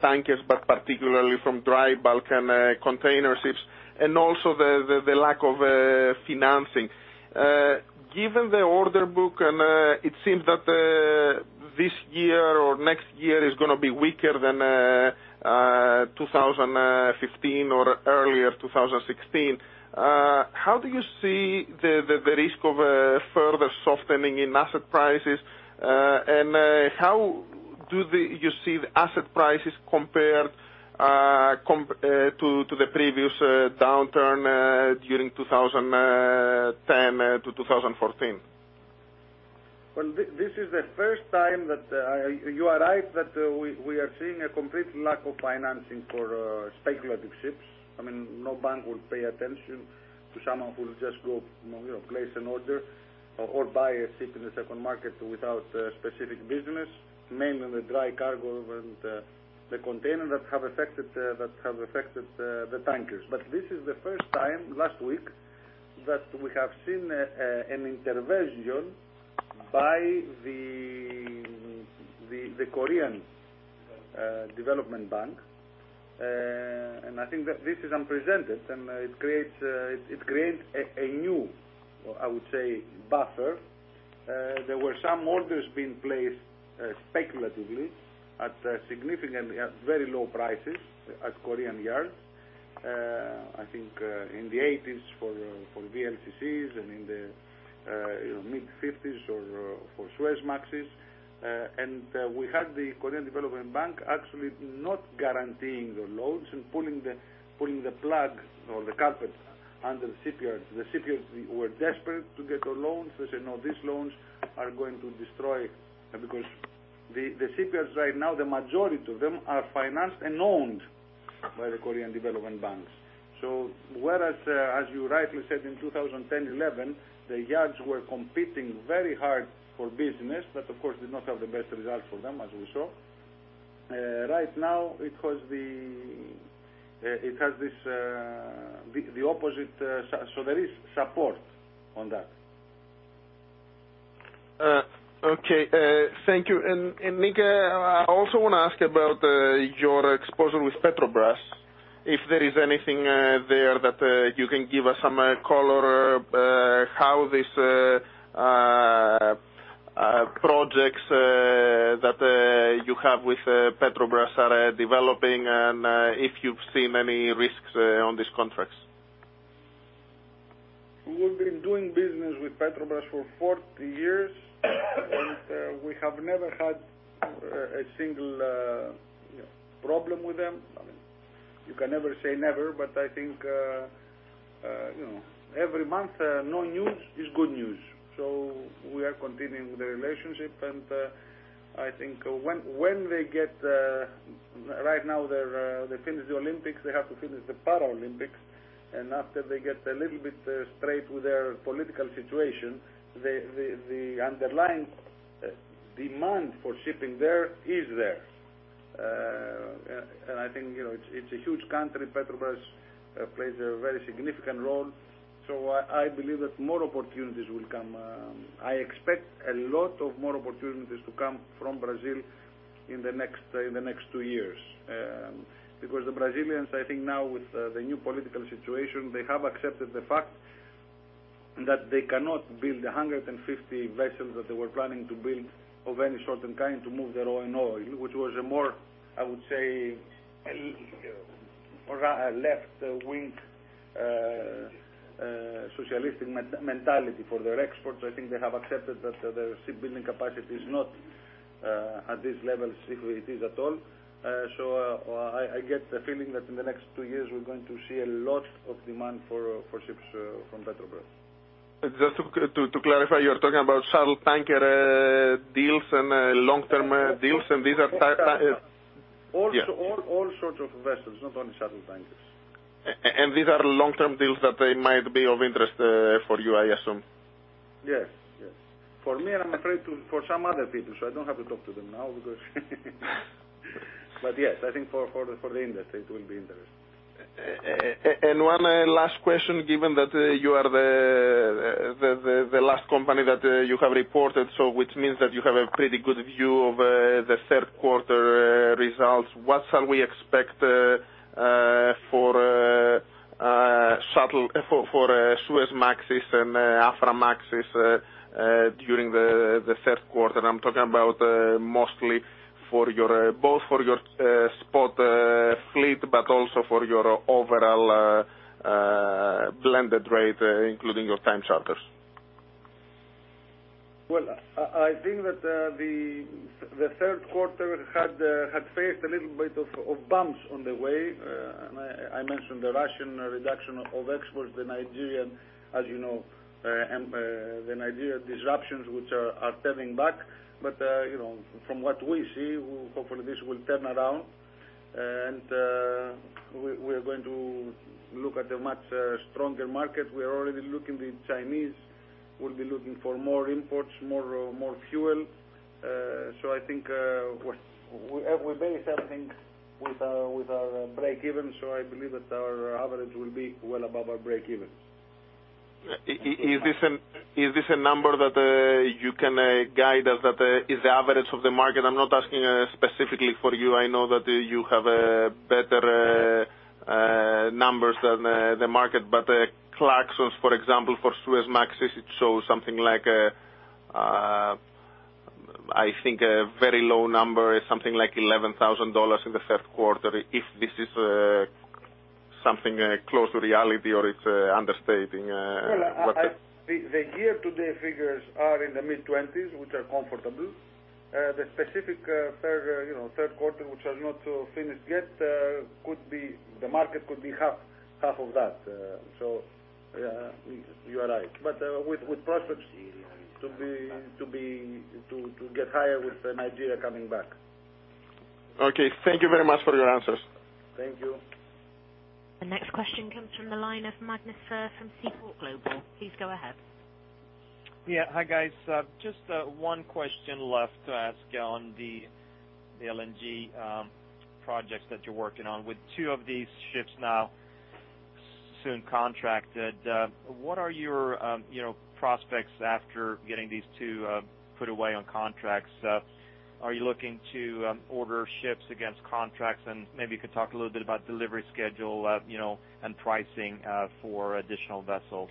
S11: tankers, but particularly from dry bulk and container ships, also the lack of financing. Given the order book, it seems that this year or next year is going to be weaker than 2015 or earlier 2016, how do you see the risk of a further softening in asset prices? How do you see the asset prices compared to the previous downturn during 2010-2014?
S4: Well, this is the first time that you are right that we are seeing a complete lack of financing for speculative ships. No bank will pay attention to someone who will just go place an order or buy a ship in the second market without specific business, mainly the dry cargo and the container that have affected the tankers. This is the first time, last week, that we have seen an intervention by the Korea Development Bank. I think that this is unprecedented, and it creates a new, I would say, buffer. There were some orders being placed speculatively at significant, very low prices at Korean yards. I think in the 80s for VLCCs and in the mid-50s for Suezmaxes. We had the Korea Development Bank actually not guaranteeing the loans and pulling the plug or the carpet under the shipyards. The shipyards were desperate to get the loans. They said, "No, these loans are going to destroy" because the shipyards right now, the majority of them are financed and owned by the Korea Development Banks. Whereas, as you rightly said, in 2010-11, the yards were competing very hard for business, but of course, did not have the best results for them, as we saw. Right now it has the opposite. There is support on that.
S11: Okay. Thank you. Nik, I also want to ask about your exposure with Petrobras, if there is anything there that you can give us some color, how these projects that you have with Petrobras are developing and if you've seen any risks on these contracts.
S4: We've been doing business with Petrobras for 40 years. We have never had a single problem with them. You can never say never, but I think every month, no news is good news. We are continuing with the relationship, and I think Right now they finished the Olympics, they have to finish the Paralympics, and after they get a little bit straight with their political situation, the underlying demand for shipping there is there. I think, it's a huge country. Petrobras plays a very significant role. I believe that more opportunities will come. I expect a lot of more opportunities to come from Brazil in the next two years. The Brazilians, I think now with the new political situation, they have accepted the fact that they cannot build 150 vessels that they were planning to build of any sort and kind to move their own oil, which was a more, I would say, left-wing socialistic mentality for their exports. I think they have accepted that their shipbuilding capacity is not at these levels, if it is at all. I get the feeling that in the next two years, we're going to see a lot of demand for ships from Petrobras.
S11: Just to clarify, you're talking about shuttle tanker deals and long-term deals.
S4: All sorts of vessels, not only shuttle tankers.
S11: These are long-term deals that they might be of interest for you, I assume.
S4: Yes. For me and I'm afraid for some other people, so I don't have to talk to them now because yes, I think for the industry, it will be interesting.
S11: One last question, given that you are the last company that you have reported, which means that you have a pretty good view of the third quarter results, what shall we expect for Suezmaxes and Aframaxes during the third quarter? I'm talking about mostly both for your spot fleet, but also for your overall blended rate, including your time charters.
S4: Well, I think that the third quarter had faced a little bit of bumps on the way. I mentioned the Russian reduction of exports, the Nigerian disruptions, which are turning back. From what we see, hopefully this will turn around, and we're going to look at a much stronger market. We're already looking, the Chinese will be looking for more imports, more fuel. I think we base everything with our breakeven. I believe that our average will be well above our breakevens.
S11: Is this a number that you can guide us that is the average of the market? I'm not asking specifically for you. I know that you have better numbers than the market, Clarkson, for example, for Suezmaxes, it shows something like, I think a very low number, something like $11,000 in the third quarter. If this is something close to reality or it's understating what the-
S4: The year-to-date figures are in the mid-20s, which are comfortable. The specific third quarter, which has not finished yet, the market could be half of that. You are right. With prospects to get higher with Nigeria coming back.
S11: Okay. Thank you very much for your answers.
S4: Thank you.
S1: The next question comes from the line of Magnus from Seaport Global. Please go ahead.
S12: Yeah. Hi, guys. Just one question left to ask on the LNG projects that you're working on. With two of these ships now Soon contracted. What are your prospects after getting these two put away on contracts? Are you looking to order ships against contracts? Maybe you could talk a little bit about delivery schedule, and pricing for additional vessels.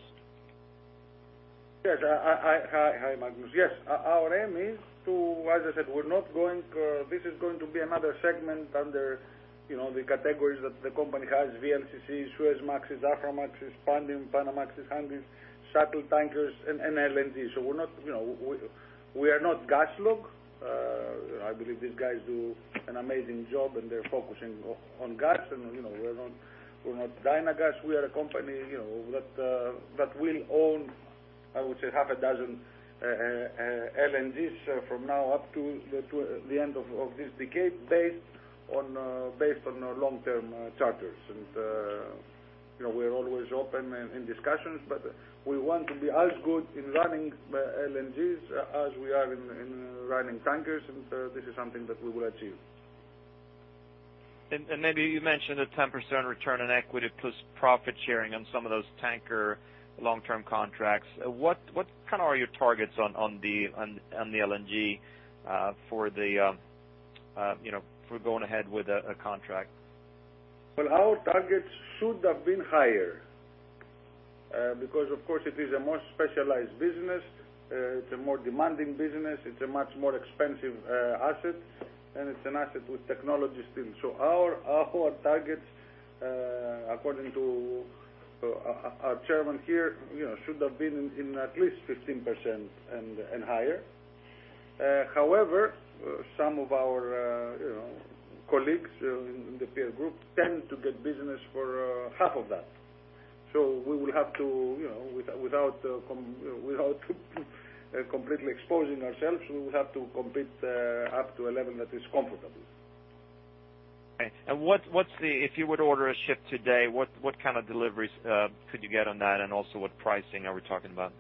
S4: Yes. Hi, Magnus. Yes. Our aim is to, as I said, this is going to be another segment under the categories that the company has, VLCC, Suezmax, Aframax, Panamax, Handysize, shuttle tankers and LNG. We are not GasLog. I believe these guys do an amazing job and they're focusing on gas, and we're not Dynagas. We are a company that will own, I would say half a dozen, LNGs from now up to the end of this decade based on our long-term charters. We are always open in discussions, but we want to be as good in running LNGs as we are in running tankers, and this is something that we will achieve.
S12: Maybe you mentioned a 10% return on equity plus profit sharing on some of those tanker long-term contracts. What are your targets on the LNG, for going ahead with a contract?
S4: Well, our targets should have been higher, because of course it is a more specialized business, it's a more demanding business, it's a much more expensive asset, and it's an asset with technology still. Our targets, according to our chairman here, should have been in at least 15% and higher. However, some of our colleagues in the peer group tend to get business for half of that. Without completely exposing ourselves, we will have to compete up to a level that is comfortable.
S12: Okay. If you would order a ship today, what kind of deliveries could you get on that, and also what pricing are we talking about?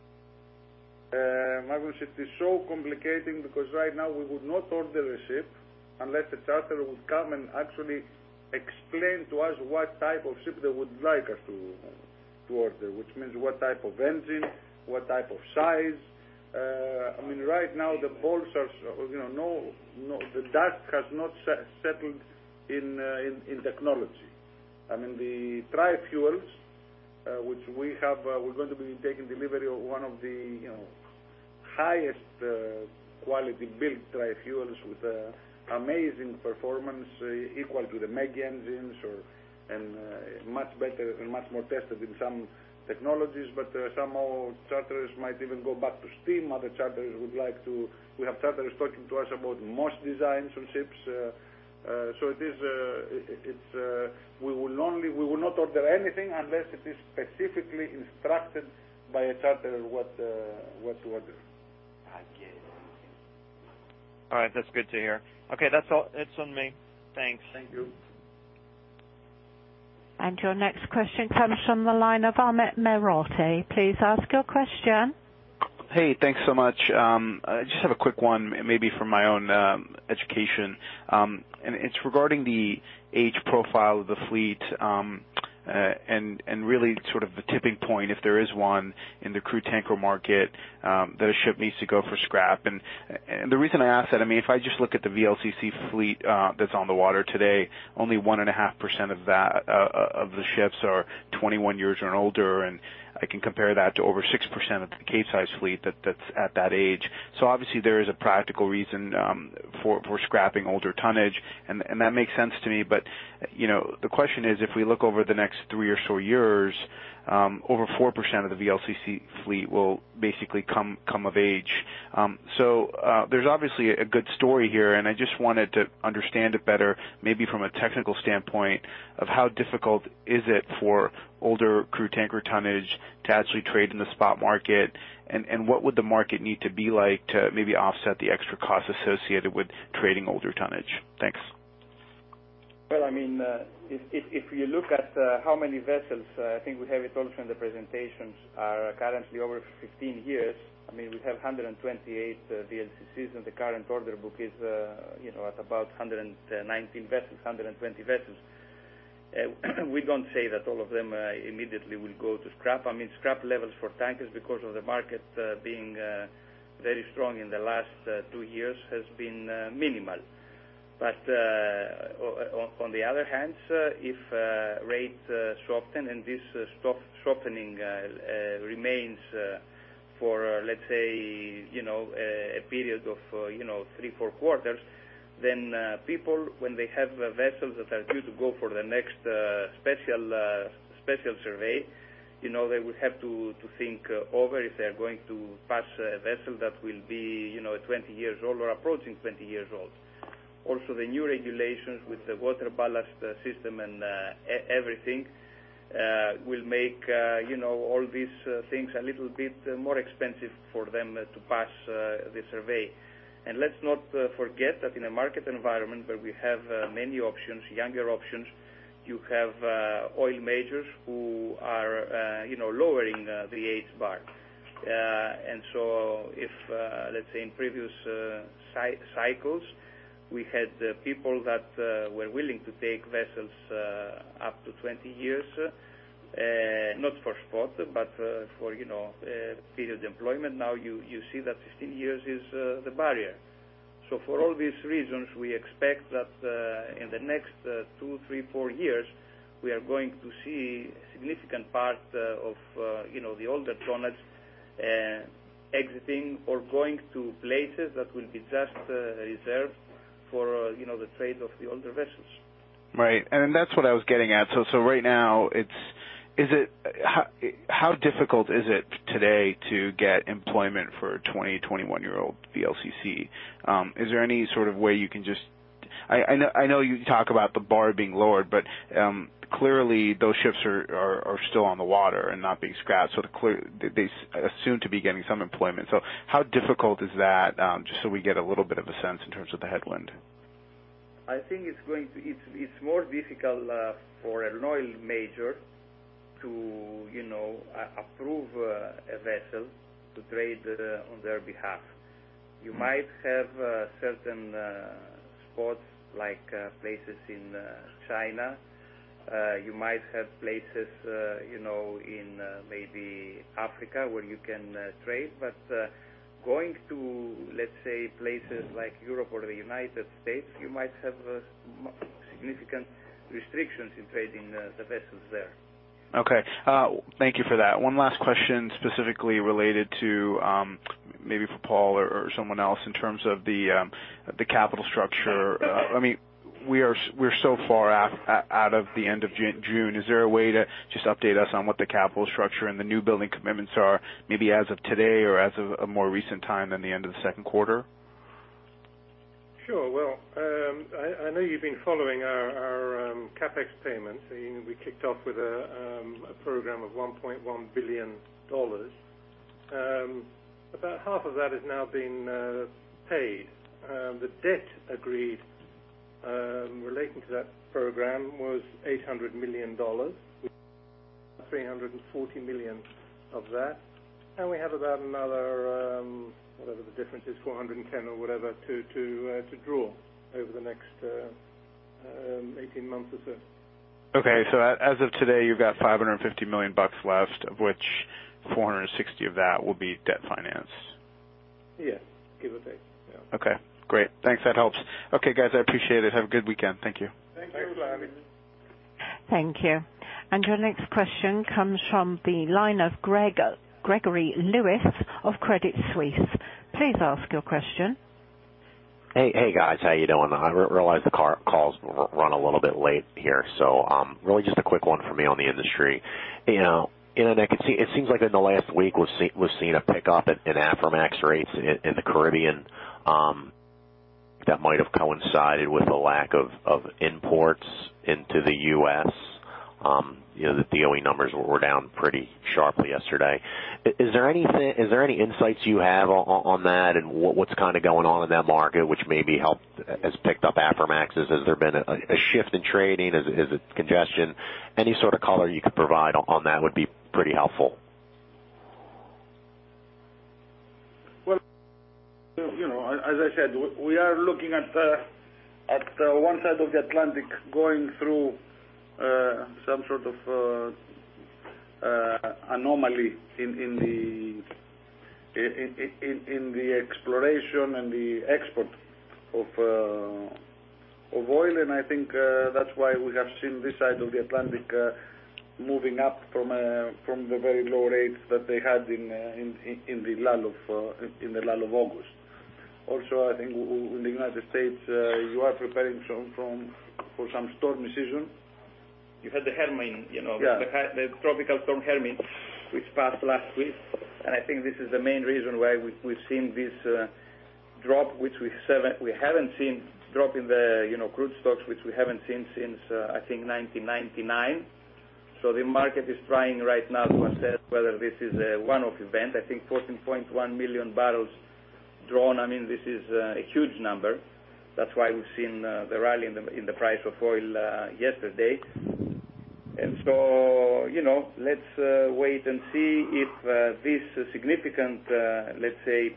S4: Magnus, it is so complicating because right now we would not order a ship unless the charterer would come and actually explain to us what type of ship they would like us to order, which means what type of engine, what type of size. Right now the dust has not settled in technology. The tri-fuels, which we're going to be taking delivery of one of the highest quality built tri-fuels with amazing performance equal to the mega engines and much better and much more tested in some technologies, but some more charterers might even go back to steam. Other charterers we would like to have charterers talking to us about Moss designs on ships. We will not order anything unless it is specifically instructed by a charterer what to order.
S12: I get it. All right. That's good to hear. Okay. That's all. It's on me. Thanks.
S4: Thank you.
S13: Your next question comes from the line of Amit Mehrotra. Please ask your question.
S14: Hey, thanks so much. I just have a quick one, maybe from my own education. It's regarding the age profile of the fleet, and really sort of the tipping point, if there is one, in the crude tanker market, that a ship needs to go for scrap. The reason I ask that, if I just look at the VLCC fleet that's on the water today, only 1.5% of the ships are 21 years and older, and I can compare that to over 6% of the Capesize fleet that's at that age. Obviously there is a practical reason for scrapping older tonnage, and that makes sense to me. But the question is, if we look over the next 3 or so years, over 4% of the VLCC fleet will basically come of age. There's obviously a good story here, and I just wanted to understand it better, maybe from a technical standpoint of how difficult is it for older crude tanker tonnage to actually trade in the spot market, and what would the market need to be like to maybe offset the extra cost associated with trading older tonnage? Thanks.
S4: Well, if you look at how many vessels, I think we have it also in the presentations, are currently over 15 years. We have 128 VLCCs, and the current order book is at about 119 vessels, 120 vessels. We do not say that all of them immediately will go to scrap. Scrap levels for tankers because of the market being very strong in the last 2 years has been minimal. On the other hand, if rates soften and this softening remains for let's say a period of 3, 4 quarters, then people, when they have vessels that are due to go for the next special survey, they will have to think over if they're going to pass a vessel that will be 20 years old or approaching 20 years old. The new regulations with the water ballast system and everything will make all these things a little bit more expensive for them to pass the survey. Let's not forget that in a market environment where we have many options, younger options, you have oil majors who are lowering the age bar.
S5: If, let's say in previous cycles, we had people that were willing to take vessels up to 20 years, not for spot, but for period deployment. Now you see that 16 years is the barrier. For all these reasons, we expect that in the next two, three, four years, we are going to see a significant part of the older tonnage exiting or going to places that will be just reserved for the trade of the older vessels.
S14: Right. That's what I was getting at. Right now, how difficult is it today to get employment for a 20, 21-year-old VLCC? Is there any sort of way you can just I know you talk about the bar being lowered, but clearly those ships are still on the water and not being scrapped, so they assume to be getting some employment. How difficult is that? Just so we get a little bit of a sense in terms of the headwind.
S5: I think it's more difficult for an oil major to approve a vessel to trade on their behalf. You might have certain spots like places in China. You might have places in maybe Africa where you can trade. Going to, let's say, places like Europe or the U.S., you might have significant restrictions in trading the vessels there.
S14: Okay. Thank you for that. One last question specifically related to, maybe for Paul Durham or someone else, in terms of the capital structure. We're so far out of the end of June. Is there a way to just update us on what the capital structure and the new building commitments are, maybe as of today or as of a more recent time than the end of the second quarter?
S6: Sure. Well, I know you've been following our CapEx payments. We kicked off with a program of $1.1 billion. About half of that has now been paid. The debt agreed relating to that program was $800 million, $340 million of that. We have about another, whatever the difference is, $410 or whatever, to draw over the next 18 months or so.
S14: Okay. As of today, you've got $550 million left, of which $460 of that will be debt financed.
S6: Yes. Give or take. Yeah.
S14: Okay, great. Thanks. That helps. Okay, guys, I appreciate it. Have a good weekend. Thank you.
S6: Thank you.
S5: Thanks. Bye.
S13: Thank you. Your next question comes from the line of Gregory Lewis of Credit Suisse. Please ask your question.
S15: Hey, guys. How are you doing? I realize the calls run a little bit late here, so really just a quick one for me on the industry. It seems like in the last week, we've seen a pickup in Aframax rates in the Caribbean that might have coincided with the lack of imports into the U.S. The DOE numbers were down pretty sharply yesterday. Is there any insights you have on that and what's going on in that market which maybe has picked up Aframaxes? Has there been a shift in trading? Is it congestion? Any sort of color you could provide on that would be pretty helpful.
S5: Well, as I said, we are looking at one side of the Atlantic going through some sort of anomaly in the exploration and the export of oil, and I think that's why we have seen this side of the Atlantic moving up from the very low rates that they had in the lull of August. Also, I think in the United States, you are preparing for some stormy season.
S14: You had the Hermine.
S5: Yeah.
S14: The tropical storm Hermine, which passed last week, and I think this is the main reason why we've seen this drop, which we haven't seen, drop in the crude stocks, which we haven't seen since, I think, 1999. The market is trying right now to assess whether this is a one-off event. I think 14.1 million barrels drawn. This is a huge number. That's why we've seen the rally in the price of oil yesterday. Let's wait and see if this significant, let's say,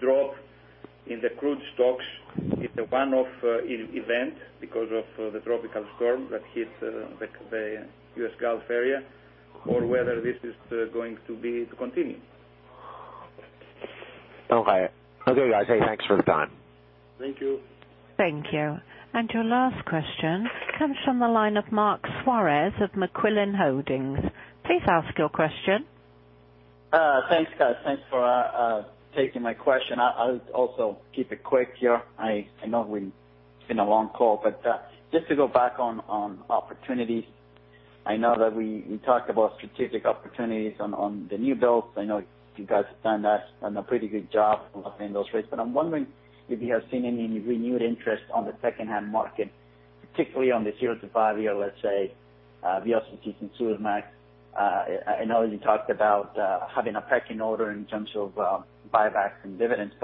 S14: drop in the crude stocks is a one-off event because of the tropical storm that hit the U.S. Gulf area, or whether this is going to continue.
S15: Okay. Okay, guys. Thanks for the time.
S5: Thank you.
S13: Thank you. Your last question comes from the line of Mark Suarez of McQuilling Holdings. Please ask your question.
S16: Thanks, guys. Thanks for taking my question. I'll also keep it quick here. I know it's been a long call, but just to go back on opportunities. I know that we talked about strategic opportunities on the new builds. I know you guys have done a pretty good job of obtaining those rates, but I'm wondering if you have seen any renewed interest on the secondhand market, particularly on the zero to five-year, let's say, VLCCs and Suezmax. I know that you talked about having a pecking order in terms of buybacks and dividends.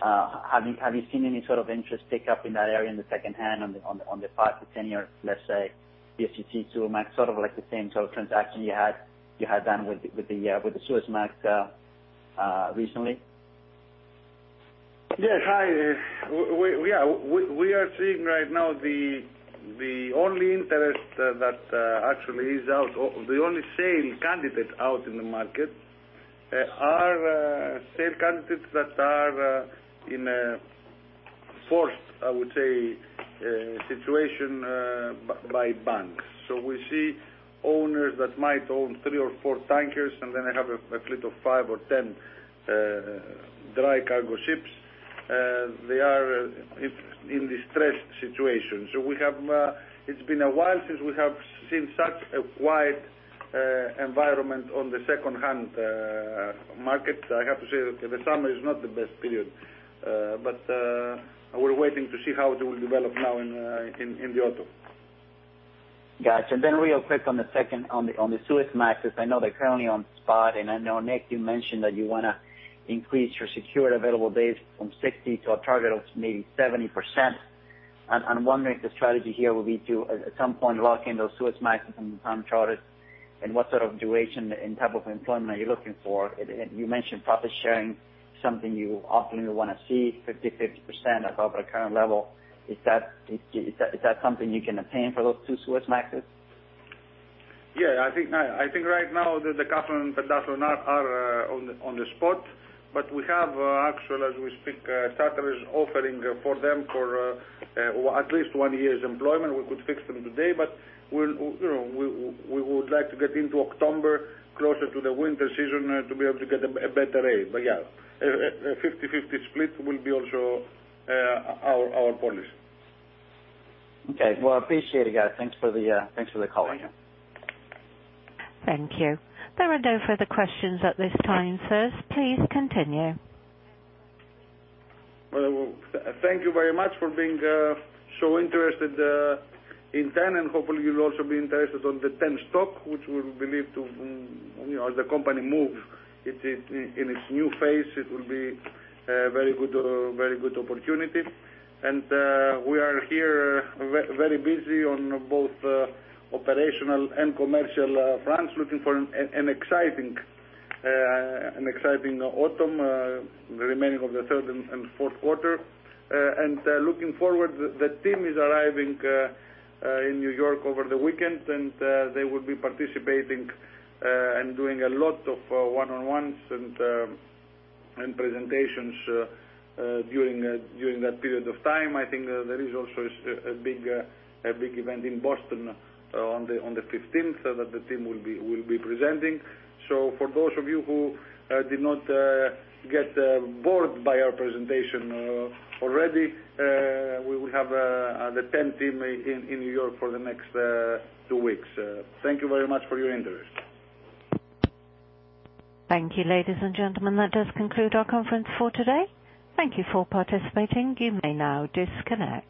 S16: Have you seen any sort of interest pick up in that area in the secondhand on the five to 10-year, let's say, [VSGT2, Max], sort of like the same sort of transaction you had done with the Suezmax recently?
S4: Yes. We are seeing right now the only interest that actually is out, the only sale candidate out in the market, are sale candidates that are in a forced, I would say, situation by banks. We see owners that might own three or four tankers, and then they have a fleet of five or 10 dry cargo ships. They are in distressed situations. It's been a while since we have seen such a quiet environment on the secondhand market. I have to say that the summer is not the best period. We're waiting to see how it will develop now in the autumn.
S16: Got you. Real quick on the second, on the Suezmaxes. I know they're currently on spot, and I know, Nick, you mentioned that you want to increase your secured available days from 60 to a target of maybe 70%. I'm wondering if the strategy here will be to, at some point, lock in those Suezmaxes on time charters, and what sort of duration and type of employment are you looking for? You mentioned profit sharing, something you often want to see 50/50% above our current level. Is that something you can attain for those two Suezmaxes?
S4: Yeah, I think right now, the Catherine and the [Dasso] are on the spot. We have actually, as we speak, charterers offering for them for at least one year's employment. We could fix them today, but we would like to get into October closer to the winter season to be able to get a better rate. Yeah, a 50/50 split will be also our policy.
S16: Okay. Well, I appreciate it, guys. Thanks for the call.
S4: Thank you.
S13: Thank you. There are no further questions at this time, sirs. Please continue.
S4: Well, thank you very much for being so interested in TEN, hopefully you'll also be interested on the TEN stock, which we believe as the company moves in its new phase, it will be a very good opportunity. We are here very busy on both operational and commercial fronts, looking for an exciting autumn, the remaining of the third and fourth quarter. Looking forward, the team is arriving in New York over the weekend, and they will be participating and doing a lot of one-on-ones and presentations during that period of time. I think there is also a big event in Boston on the 15th that the team will be presenting. For those of you who did not get bored by our presentation already, we will have the TEN team in New York for the next two weeks. Thank you very much for your interest.
S13: Thank you, ladies and gentlemen. That does conclude our conference for today. Thank you for participating. You may now disconnect.